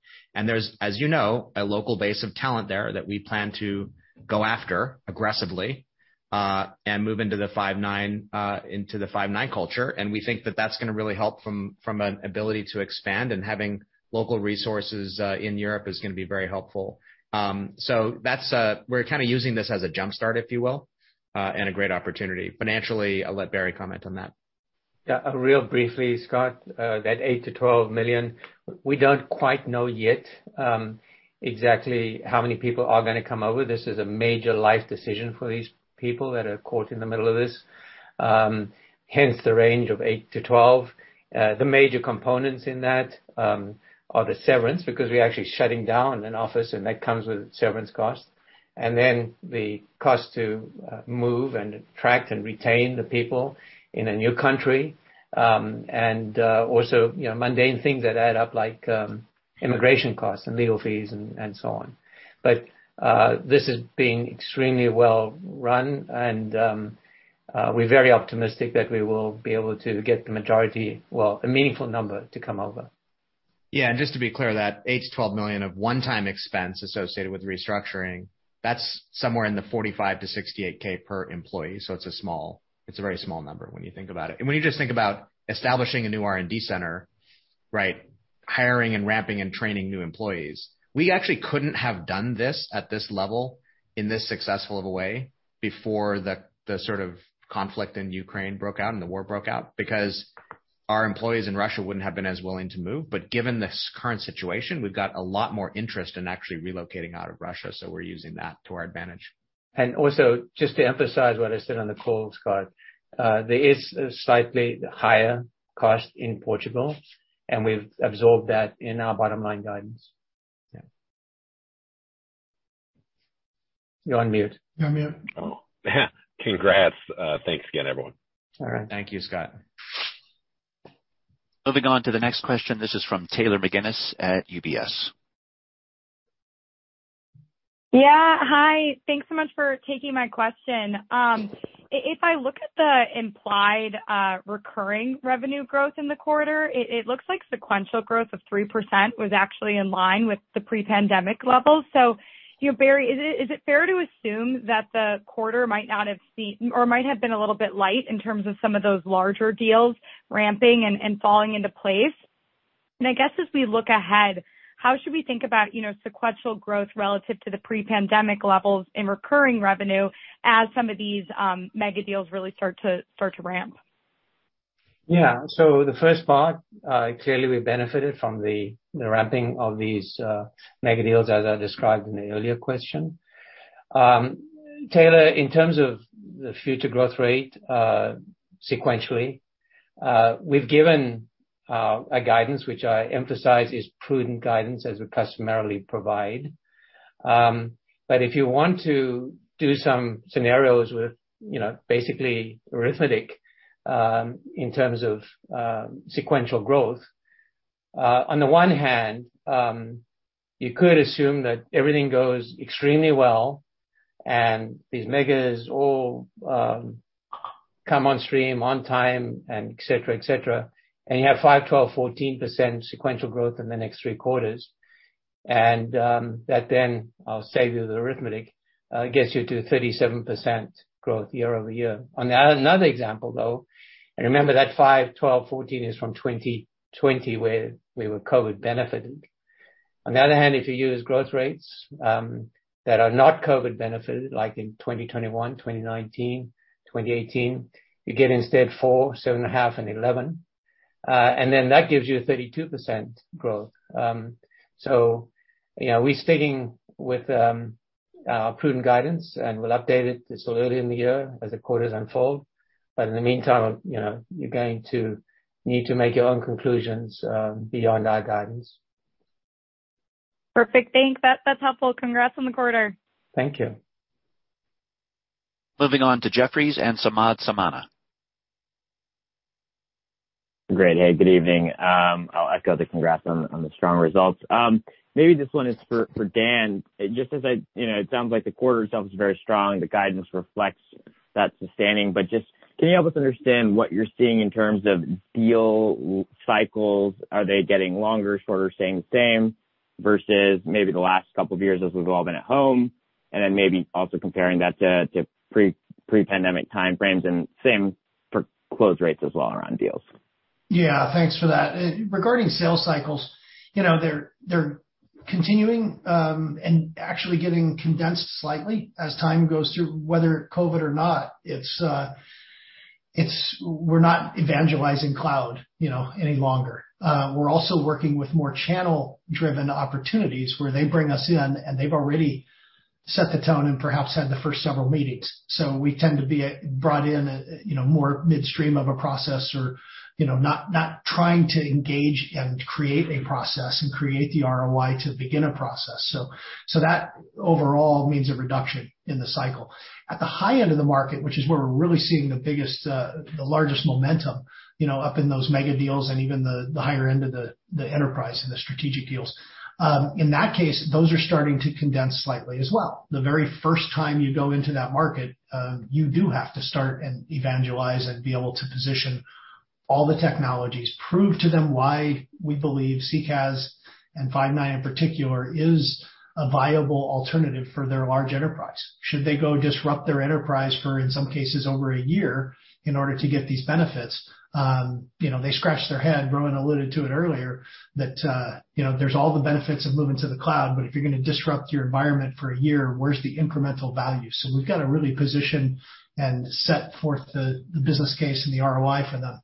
Speaker 2: There's, as you know, a local base of talent there that we plan to go after aggressively, and move into the Five9 culture, and we think that that's gonna really help from an ability to expand and having local resources in Europe is gonna be very helpful. We're kinda using this as a jump start, if you will, and a great opportunity. Financially, I'll let Barry comment on that.
Speaker 4: Yeah, real briefly, Scott, that $8 million-$12 million, we don't quite know yet, exactly how many people are gonna come over. This is a major life decision for these people that are caught in the middle of this, hence the range of 8-12. The major components in that are the severance because we're actually shutting down an office and that comes with severance costs. Then the cost to move and attract and retain the people in a new country, and also, you know, mundane things that add up like immigration costs and legal fees and so on. This is being extremely well run and we're very optimistic that we will be able to get the majority, well, a meaningful number to come over.
Speaker 2: Yeah. Just to be clear, that $8 million-$12 million of one-time expense associated with restructuring, that's somewhere in the $45,000-$68,000 per employee. It's a small. It's a very small number when you think about it. When you just think about establishing a new R&D center, right? Hiring and ramping and training new employees, we actually couldn't have done this at this level in this successful of a way before the sort of conflict in Ukraine broke out and the war broke out because our employees in Russia wouldn't have been as willing to move. Given this current situation, we've got a lot more interest in actually relocating out of Russia, so we're using that to our advantage.
Speaker 4: Also, just to emphasize what I said on the call, Scott, there is a slightly higher cost in Portugal, and we've absorbed that in our bottom line guidance. Yeah. You're on mute.
Speaker 3: You're on mute.
Speaker 9: Oh, congrats. Thanks again, everyone.
Speaker 4: All right.
Speaker 2: Thank you, Scott.
Speaker 5: Moving on to the next question. This is from Taylor McGinnis at UBS.
Speaker 10: Yeah. Hi. Thanks so much for taking my question. If I look at the implied recurring revenue growth in the quarter, it looks like sequential growth of 3% was actually in line with the pre-pandemic levels. You know, Barry, is it fair to assume that the quarter might not have seen or might have been a little bit light in terms of some of those larger deals ramping and falling into place? I guess as we look ahead, how should we think about, you know, sequential growth relative to the pre-pandemic levels in recurring revenue as some of these mega deals really start to ramp?
Speaker 4: Yeah. The first part, clearly we benefited from the ramping of these mega deals as I described in the earlier question. Taylor, in terms of the future growth rate, sequentially, we've given a guidance which I emphasize is prudent guidance as we customarily provide. But if you want to do some scenarios with, you know, basically arithmetic, in terms of sequential growth, on the one hand, you could assume that everything goes extremely well and these megas all come on stream on time and et cetera, et cetera, and you have 5%, 12%, 14% sequential growth in the next three quarters. That then, I'll save you the arithmetic, gets you to 37% growth year-over-year. On another example, though, and remember that 5%, 12%, 14% is from 2020, where we were COVID benefited. On the other hand, if you use growth rates that are not COVID benefited, like in 2021, 2019, 2018, you get instead 4%, 7.5% and 11%. Then that gives you a 32% growth. You know, we're sticking with prudent guidance, and we'll update it. It's still early in the year as the quarters unfold, but in the meantime, you know, you're going to need to make your own conclusions beyond our guidance.
Speaker 10: Perfect. Thanks. That's helpful. Congrats on the quarter.
Speaker 4: Thank you.
Speaker 5: Moving on to Jefferies and Samad Samana.
Speaker 11: Great. Hey, good evening. I'll echo the congrats on the strong results. Maybe this one is for Dan. You know, it sounds like the quarter itself is very strong. The guidance reflects that's sustaining. But just can you help us understand what you're seeing in terms of deal cycles? Are they getting longer, shorter, staying the same versus maybe the last couple of years as we've all been at home? Then maybe also comparing that to pre-pandemic time frames and same for close rates as well around deals.
Speaker 3: Yeah. Thanks for that. Regarding sales cycles, you know, they're continuing and actually getting condensed slightly as time goes through, whether COVID or not. We're not evangelizing cloud, you know, any longer. We're also working with more channel-driven opportunities where they bring us in, and they've already set the tone and perhaps had the first several meetings. So we tend to be brought in, you know, more midstream of a process or, you know, not trying to engage and create a process and create the ROI to begin a process. So that overall means a reduction in the cycle. At the high end of the market, which is where we're really seeing the biggest, the largest momentum, you know, up in those mega deals and even the higher end of the enterprise and the strategic deals. In that case, those are starting to condense slightly as well. The very first time you go into that market, you do have to start and evangelize and be able to position all the technologies, prove to them why we believe CCaaS and Five9 in particular is a viable alternative for their large enterprise. Should they go disrupt their enterprise for, in some cases, over a year in order to get these benefits? You know, they scratch their head. Rowan alluded to it earlier that, you know, there's all the benefits of moving to the cloud, but if you're gonna disrupt your environment for a year, where's the incremental value? We've got to really position and set forth the business case and the ROI for them.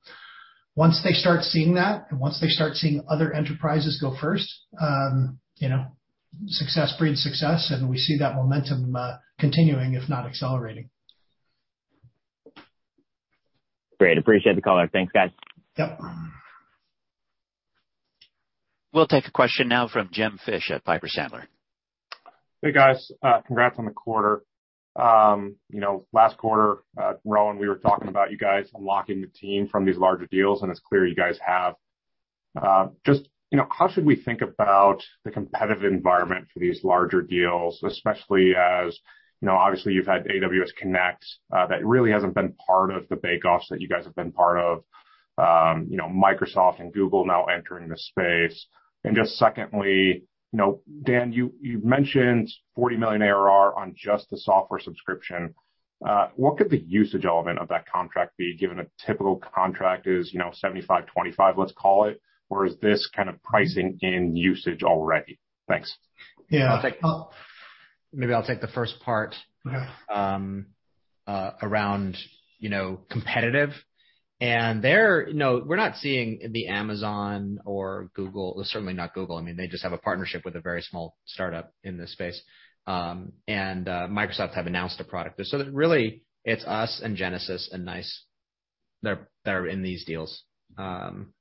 Speaker 3: Once they start seeing that, and once they start seeing other enterprises go first, you know, success breeds success, and we see that momentum continuing, if not accelerating.
Speaker 11: Great. Appreciate the color. Thanks, guys.
Speaker 3: Yep.
Speaker 5: We'll take a question now from Jim Fish at Piper Sandler.
Speaker 12: Hey, guys. Congrats on the quarter. You know, last quarter, Rowan, we were talking about you guys unlocking the team from these larger deals, and it's clear you guys have. Just, you know, how should we think about the competitive environment for these larger deals, especially as, you know, obviously you've had Amazon Connect that really hasn't been part of the bake-offs that you guys have been part of. You know, Microsoft and Google now entering the space. Just secondly, you know, Dan, you've mentioned $40 million ARR on just the software subscription. What could the usage element of that contract be, given a typical contract is, you know, 75-25, let's call it, or is this kind of pricing in usage already? Thanks.
Speaker 3: Yeah.
Speaker 2: Maybe I'll take the first part.
Speaker 3: Okay.
Speaker 2: Around, you know, competitive. There, you know, we're not seeing the Amazon or Google. Well, certainly not Google. I mean, they just have a partnership with a very small startup in this space. Microsoft have announced a product. Really it's us and Genesys and NICE that are in these deals. You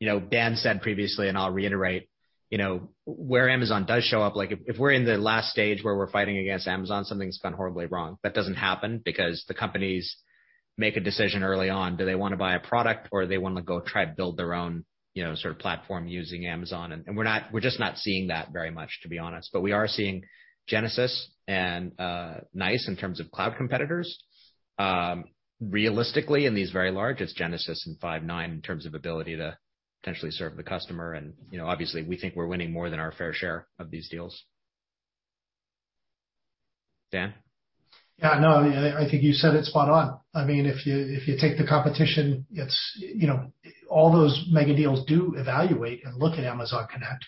Speaker 2: know, Dan said previously, and I'll reiterate, you know, where Amazon does show up, like if we're in the last stage where we're fighting against Amazon, something's gone horribly wrong. That doesn't happen because the companies make a decision early on, do they wanna buy a product or they wanna go try to build their own, you know, sort of platform using Amazon. We're just not seeing that very much, to be honest. We are seeing Genesys and, NICE in terms of cloud competitors. Realistically in these very large, it's Genesys and Five9 in terms of ability to potentially serve the customer. You know, obviously we think we're winning more than our fair share of these deals. Dan?
Speaker 3: Yeah, no, I think you said it spot on. I mean, if you take the competition, it's, you know, all those mega deals do evaluate and look at Amazon Connect.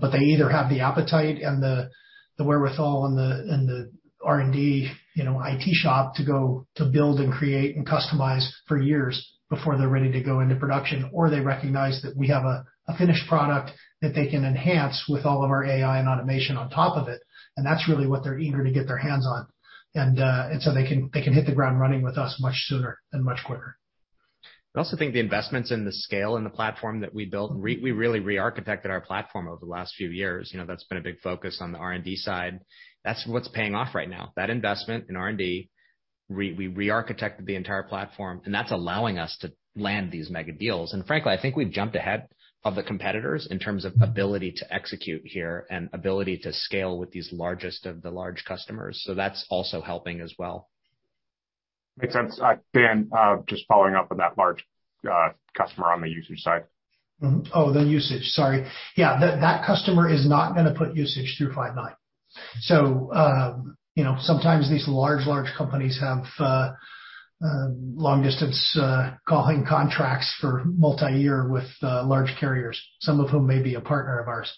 Speaker 3: But they either have the appetite and the wherewithal and the R&D, you know, IT shop to go to build and create and customize for years before they're ready to go into production, or they recognize that we have a finished product that they can enhance with all of our AI and automation on top of it, and that's really what they're eager to get their hands on. They can hit the ground running with us much sooner and much quicker.
Speaker 2: I also think the investments in the scale and the platform that we built, we really re-architected our platform over the last few years. You know, that's been a big focus on the R&D side. That's what's paying off right now. That investment in R&D, we re-architected the entire platform, and that's allowing us to land these mega deals. Frankly, I think we've jumped ahead of the competitors in terms of ability to execute here and ability to scale with these largest of the large customers. That's also helping as well.
Speaker 12: Makes sense. Dan, just following up with that large customer on the usage side.
Speaker 3: That customer is not gonna put usage through Five9. You know, sometimes these large companies have long distance calling contracts for multiyear with large carriers, some of whom may be a partner of ours.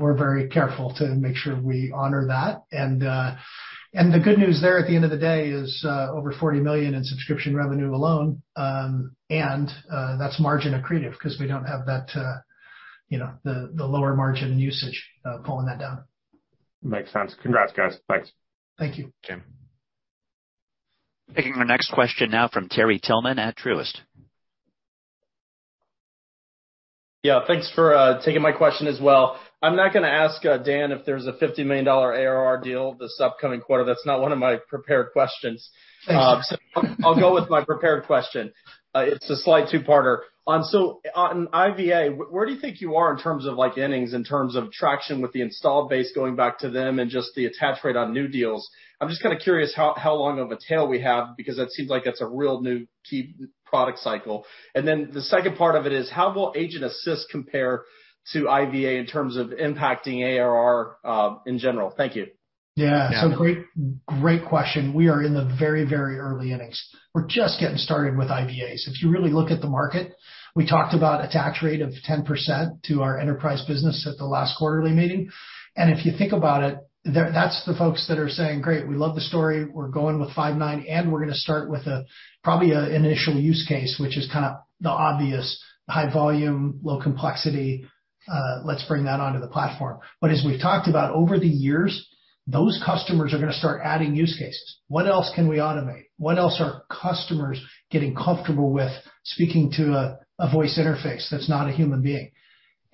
Speaker 3: We're very careful to make sure we honor that. The good news there at the end of the day is over $40 million in subscription revenue alone. That's margin accretive 'cause we don't have that, you know, the lower margin usage pulling that down.
Speaker 12: Makes sense. Congrats, guys. Thanks.
Speaker 3: Thank you.
Speaker 2: Jim.
Speaker 5: Taking the next question now from Terry Tillman at Truist.
Speaker 13: Yeah, thanks for taking my question as well. I'm not gonna ask Dan if there's a $50 million ARR deal this upcoming quarter. That's not one of my prepared questions.
Speaker 3: Thanks.
Speaker 13: I'll go with my prepared question. It's a slight two-parter. On IVA, where do you think you are in terms of, like, innings, in terms of traction with the installed base going back to them and just the attach rate on new deals? I'm just kinda curious how long of a tail we have because that seems like that's a real new key product cycle. The second part of it is, how will Agent Assist compare to IVA in terms of impacting ARR, in general? Thank you.
Speaker 3: Yeah.
Speaker 2: Yeah.
Speaker 3: Great, great question. We are in the very, very early innings. We're just getting started with IVAs. If you really look at the market, we talked about attach rate of 10% to our enterprise business at the last quarterly meeting. If you think about it, that's the folks that are saying, "Great, we love the story. We're going with Five9, and we're gonna start with probably an initial use case," which is kinda the obvious high volume, low complexity, let's bring that onto the platform. As we've talked about over the years, those customers are gonna start adding use cases. What else can we automate? What else are customers getting comfortable with speaking to a voice interface that's not a human being?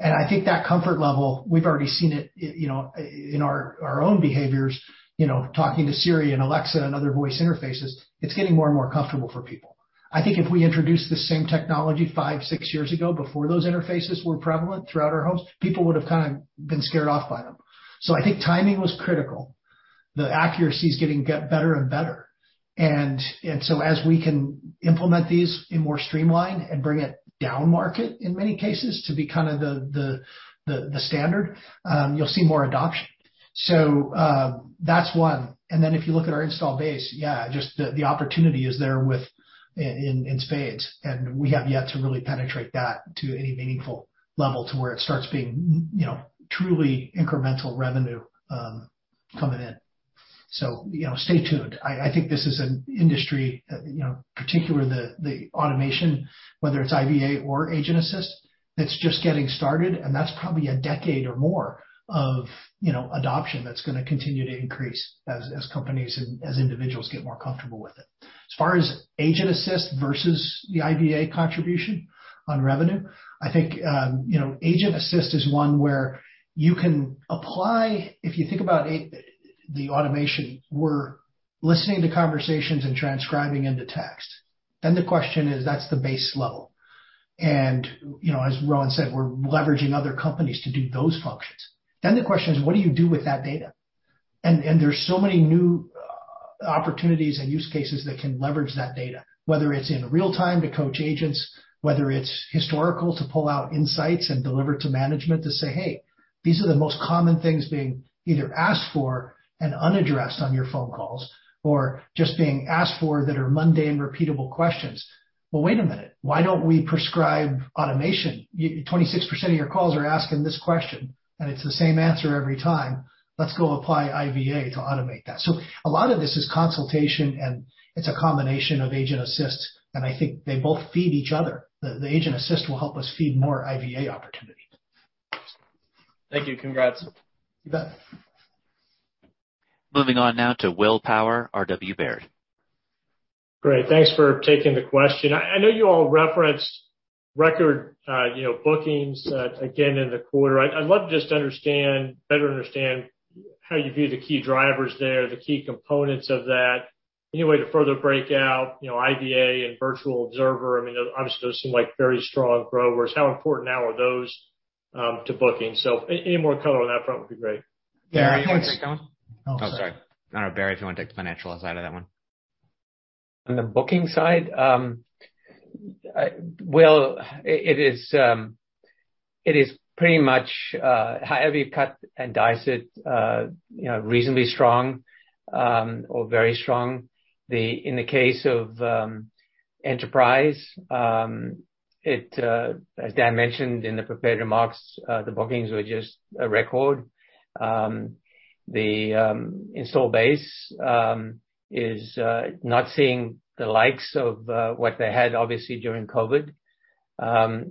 Speaker 3: I think that comfort level, we've already seen it, you know, in our own behaviors, you know, talking to Siri and Alexa and other voice interfaces. It's getting more and more comfortable for people. I think if we introduced the same technology five, six years ago before those interfaces were prevalent throughout our homes, people would have kind of been scared off by them. I think timing was critical. The accuracy is getting better and better. As we can implement these in more streamlined and bring it down market, in many cases, to be kind of the standard, you'll see more adoption. That's one. Then if you look at our install base, yeah, just the opportunity is there in spades. We have yet to really penetrate that to any meaningful level to where it starts being, you know, truly incremental revenue, coming in. You know, stay tuned. I think this is an industry, you know, particularly the automation, whether it's IVA or Agent Assist, that's just getting started, and that's probably a decade or more of, you know, adoption that's gonna continue to increase as companies and as individuals get more comfortable with it. As far as Agent Assist versus the IVA contribution on revenue, I think, you know, Agent Assist is one where you can apply. If you think about the automation, we're listening to conversations and transcribing into text. Then the question is that's the base level. You know, as Rowan said, we're leveraging other companies to do those functions. The question is, what do you do with that data? There's so many new opportunities and use cases that can leverage that data, whether it's in real time to coach agents, whether it's historical to pull out insights and deliver to management to say, "Hey, these are the most common things being either asked for and unaddressed on your phone calls or just being asked for that are mundane, repeatable questions. Well, wait a minute. Why don't we prescribe automation? 26% of your calls are asking this question, and it's the same answer every time. Let's go apply IVA to automate that." A lot of this is consultation, and it's a combination of Agent Assist, and I think they both feed each other. The Agent Assist will help us feed more IVA opportunities.
Speaker 13: Thank you. Congrats.
Speaker 3: You bet.
Speaker 5: Moving on now to Will Power, Robert W. Baird.
Speaker 14: Great. Thanks for taking the question. I know you all referenced record you know bookings again in the quarter. I'd love to just understand, better understand how you view the key drivers there, the key components of that. Any way to further break out, you know, IVA and Virtual Observer? I mean, obviously, those seem like very strong growers. How important now are those to bookings? Any more color on that front would be great.
Speaker 3: Yeah.
Speaker 2: Barry, you wanna take that one?
Speaker 3: I'll say.
Speaker 2: Oh, sorry. I don't know, Barry, if you wanna take the financial side of that one.
Speaker 4: On the booking side, Will, it is pretty much, however you cut and dice it, you know, reasonably strong, or very strong. In the case of enterprise, it as Dan mentioned in the prepared remarks, the bookings were just a record. The installed base is not seeing the likes of what they had obviously during COVID. You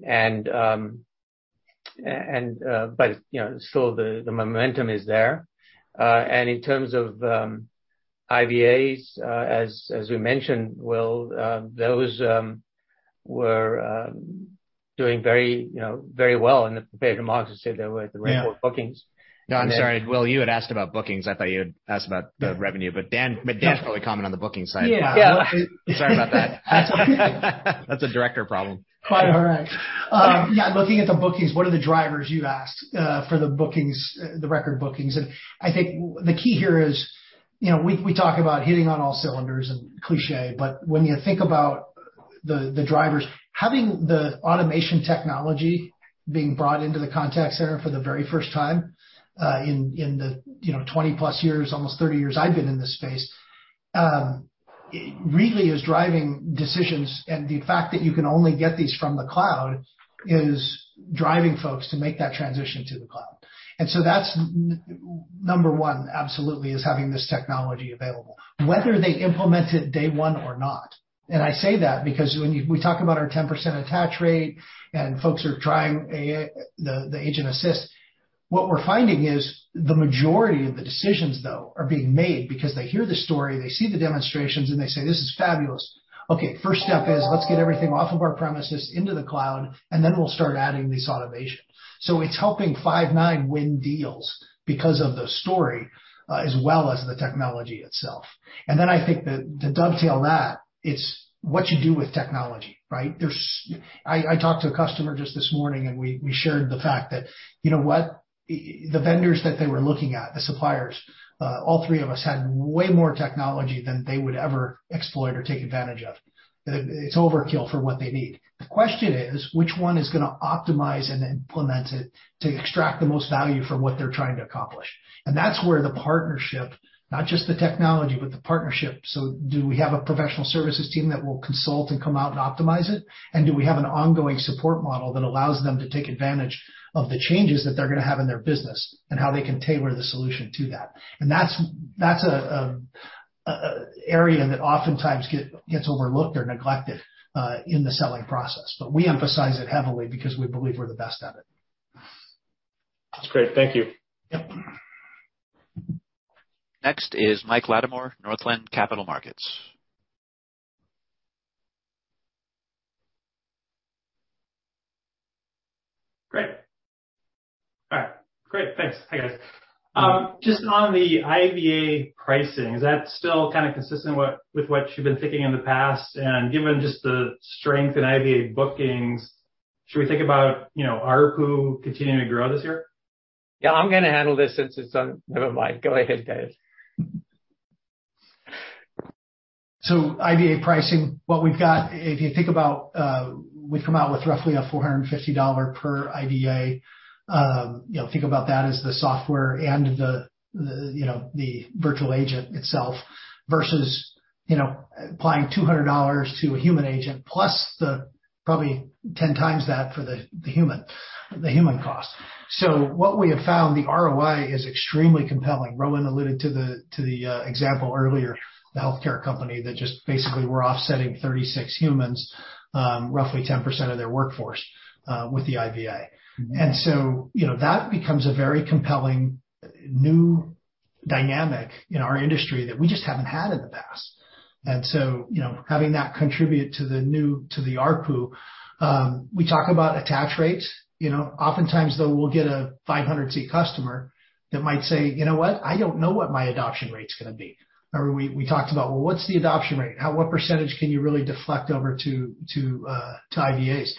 Speaker 4: know, still the momentum is there. In terms of IVAs, as we mentioned, Will, those were doing very, you know, very well in the prepared remarks. It said they were the record bookings.
Speaker 2: No, I'm sorry. Will, you had asked about bookings. I thought you had asked about the revenue. Dan can probably comment on the booking side.
Speaker 3: Yeah.
Speaker 2: Sorry about that. That's a director problem.
Speaker 3: Quite all right. Yeah, looking at the bookings, what are the drivers, you asked, for the bookings, the record bookings. I think the key here is, you know, we talk about hitting on all cylinders and cliché, but when you think about the drivers, having the automation technology being brought into the contact center for the very first time, in the, you know, 20+ years, almost 30 years I've been in this space, really is driving decisions. The fact that you can only get these from the cloud is driving folks to make that transition to the cloud. That's number one, absolutely, is having this technology available. Whether they implement it day one or not, and I say that because when we talk about our 10% attach rate and folks are trying AI, the Agent Assist. What we're finding is the majority of the decisions, though, are being made because they hear the story, they see the demonstrations, and they say, "This is fabulous. Okay, first step is let's get everything off of our premises into the cloud, and then we'll start adding this automation." It's helping Five9 win deals because of the story, as well as the technology itself. Then I think that to dovetail that, it's what you do with technology, right? I talked to a customer just this morning, and we shared the fact that, you know what? The vendors that they were looking at, the suppliers, all three of us had way more technology than they would ever exploit or take advantage of. It's overkill for what they need. The question is which one is gonna optimize and implement it to extract the most value from what they're trying to accomplish. That's where the partnership, not just the technology, but the partnership. Do we have a professional services team that will consult and come out and optimize it? Do we have an ongoing support model that allows them to take advantage of the changes that they're gonna have in their business and how they can tailor the solution to that? That's an area that oftentimes gets overlooked or neglected in the selling process. We emphasize it heavily because we believe we're the best at it.
Speaker 14: That's great. Thank you.
Speaker 3: Yep.
Speaker 5: Next is Mike Latimore, Northland Capital Markets.
Speaker 15: Great. All right. Great. Thanks. Hi, guys. Just on the IVA pricing, is that still kinda consistent with what you've been thinking in the past? Given just the strength in IVA bookings, should we think about, you know, ARPU continuing to grow this year?
Speaker 4: Never mind. Go ahead, guys.
Speaker 3: IVA pricing, what we've got, if you think about, we've come out with roughly $450 per IVA. You know, think about that as the software and the virtual agent itself versus, you know, applying $200 to a human agent plus the, probably 10x that for the human cost. What we have found, the ROI is extremely compelling. Rowan alluded to the example earlier, the healthcare company that just basically were offsetting 36 humans, roughly 10% of their workforce, with the IVA. You know, that becomes a very compelling new dynamic in our industry that we just haven't had in the past. You know, having that contribute to the ARPU. We talk about attach rates. You know, oftentimes, though, we'll get a 500-seat customer that might say, "You know what? I don't know what my adoption rate's gonna be." Remember we talked about, well, what's the adoption rate? What percentage can you really deflect over to IVAs?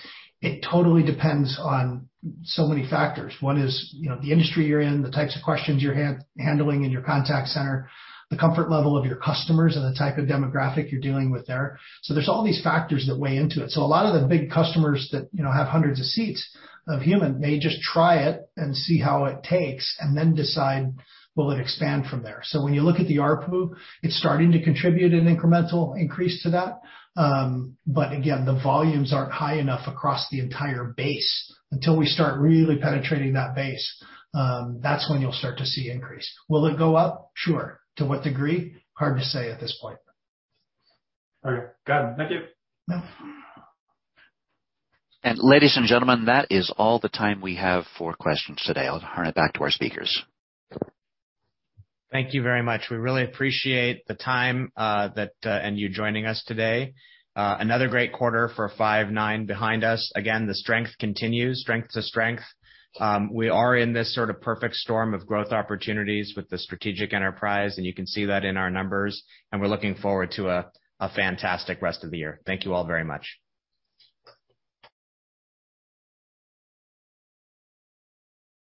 Speaker 3: It totally depends on so many factors. One is, you know, the industry you're in, the types of questions you're handling in your contact center, the comfort level of your customers and the type of demographic you're dealing with there. There's all these factors that weigh into it. A lot of the big customers that, you know, have hundreds of seats of human may just try it and see how it takes and then decide, will it expand from there? When you look at the ARPU, it's starting to contribute an incremental increase to that. Again, the volumes aren't high enough across the entire base. Until we start really penetrating that base, that's when you'll start to see increase. Will it go up? Sure. To what degree? Hard to say at this point.
Speaker 15: Okay. Got it. Thank you.
Speaker 3: Yeah.
Speaker 5: Ladies and gentlemen, that is all the time we have for questions today. I'll turn it back to our speakers.
Speaker 2: Thank you very much. We really appreciate the time and you joining us today. Another great quarter for Five9 behind us. Again, the strength continues. Strength to strength. We are in this sort of perfect storm of growth opportunities with the strategic enterprise, and you can see that in our numbers. We're looking forward to a fantastic rest of the year. Thank you all very much.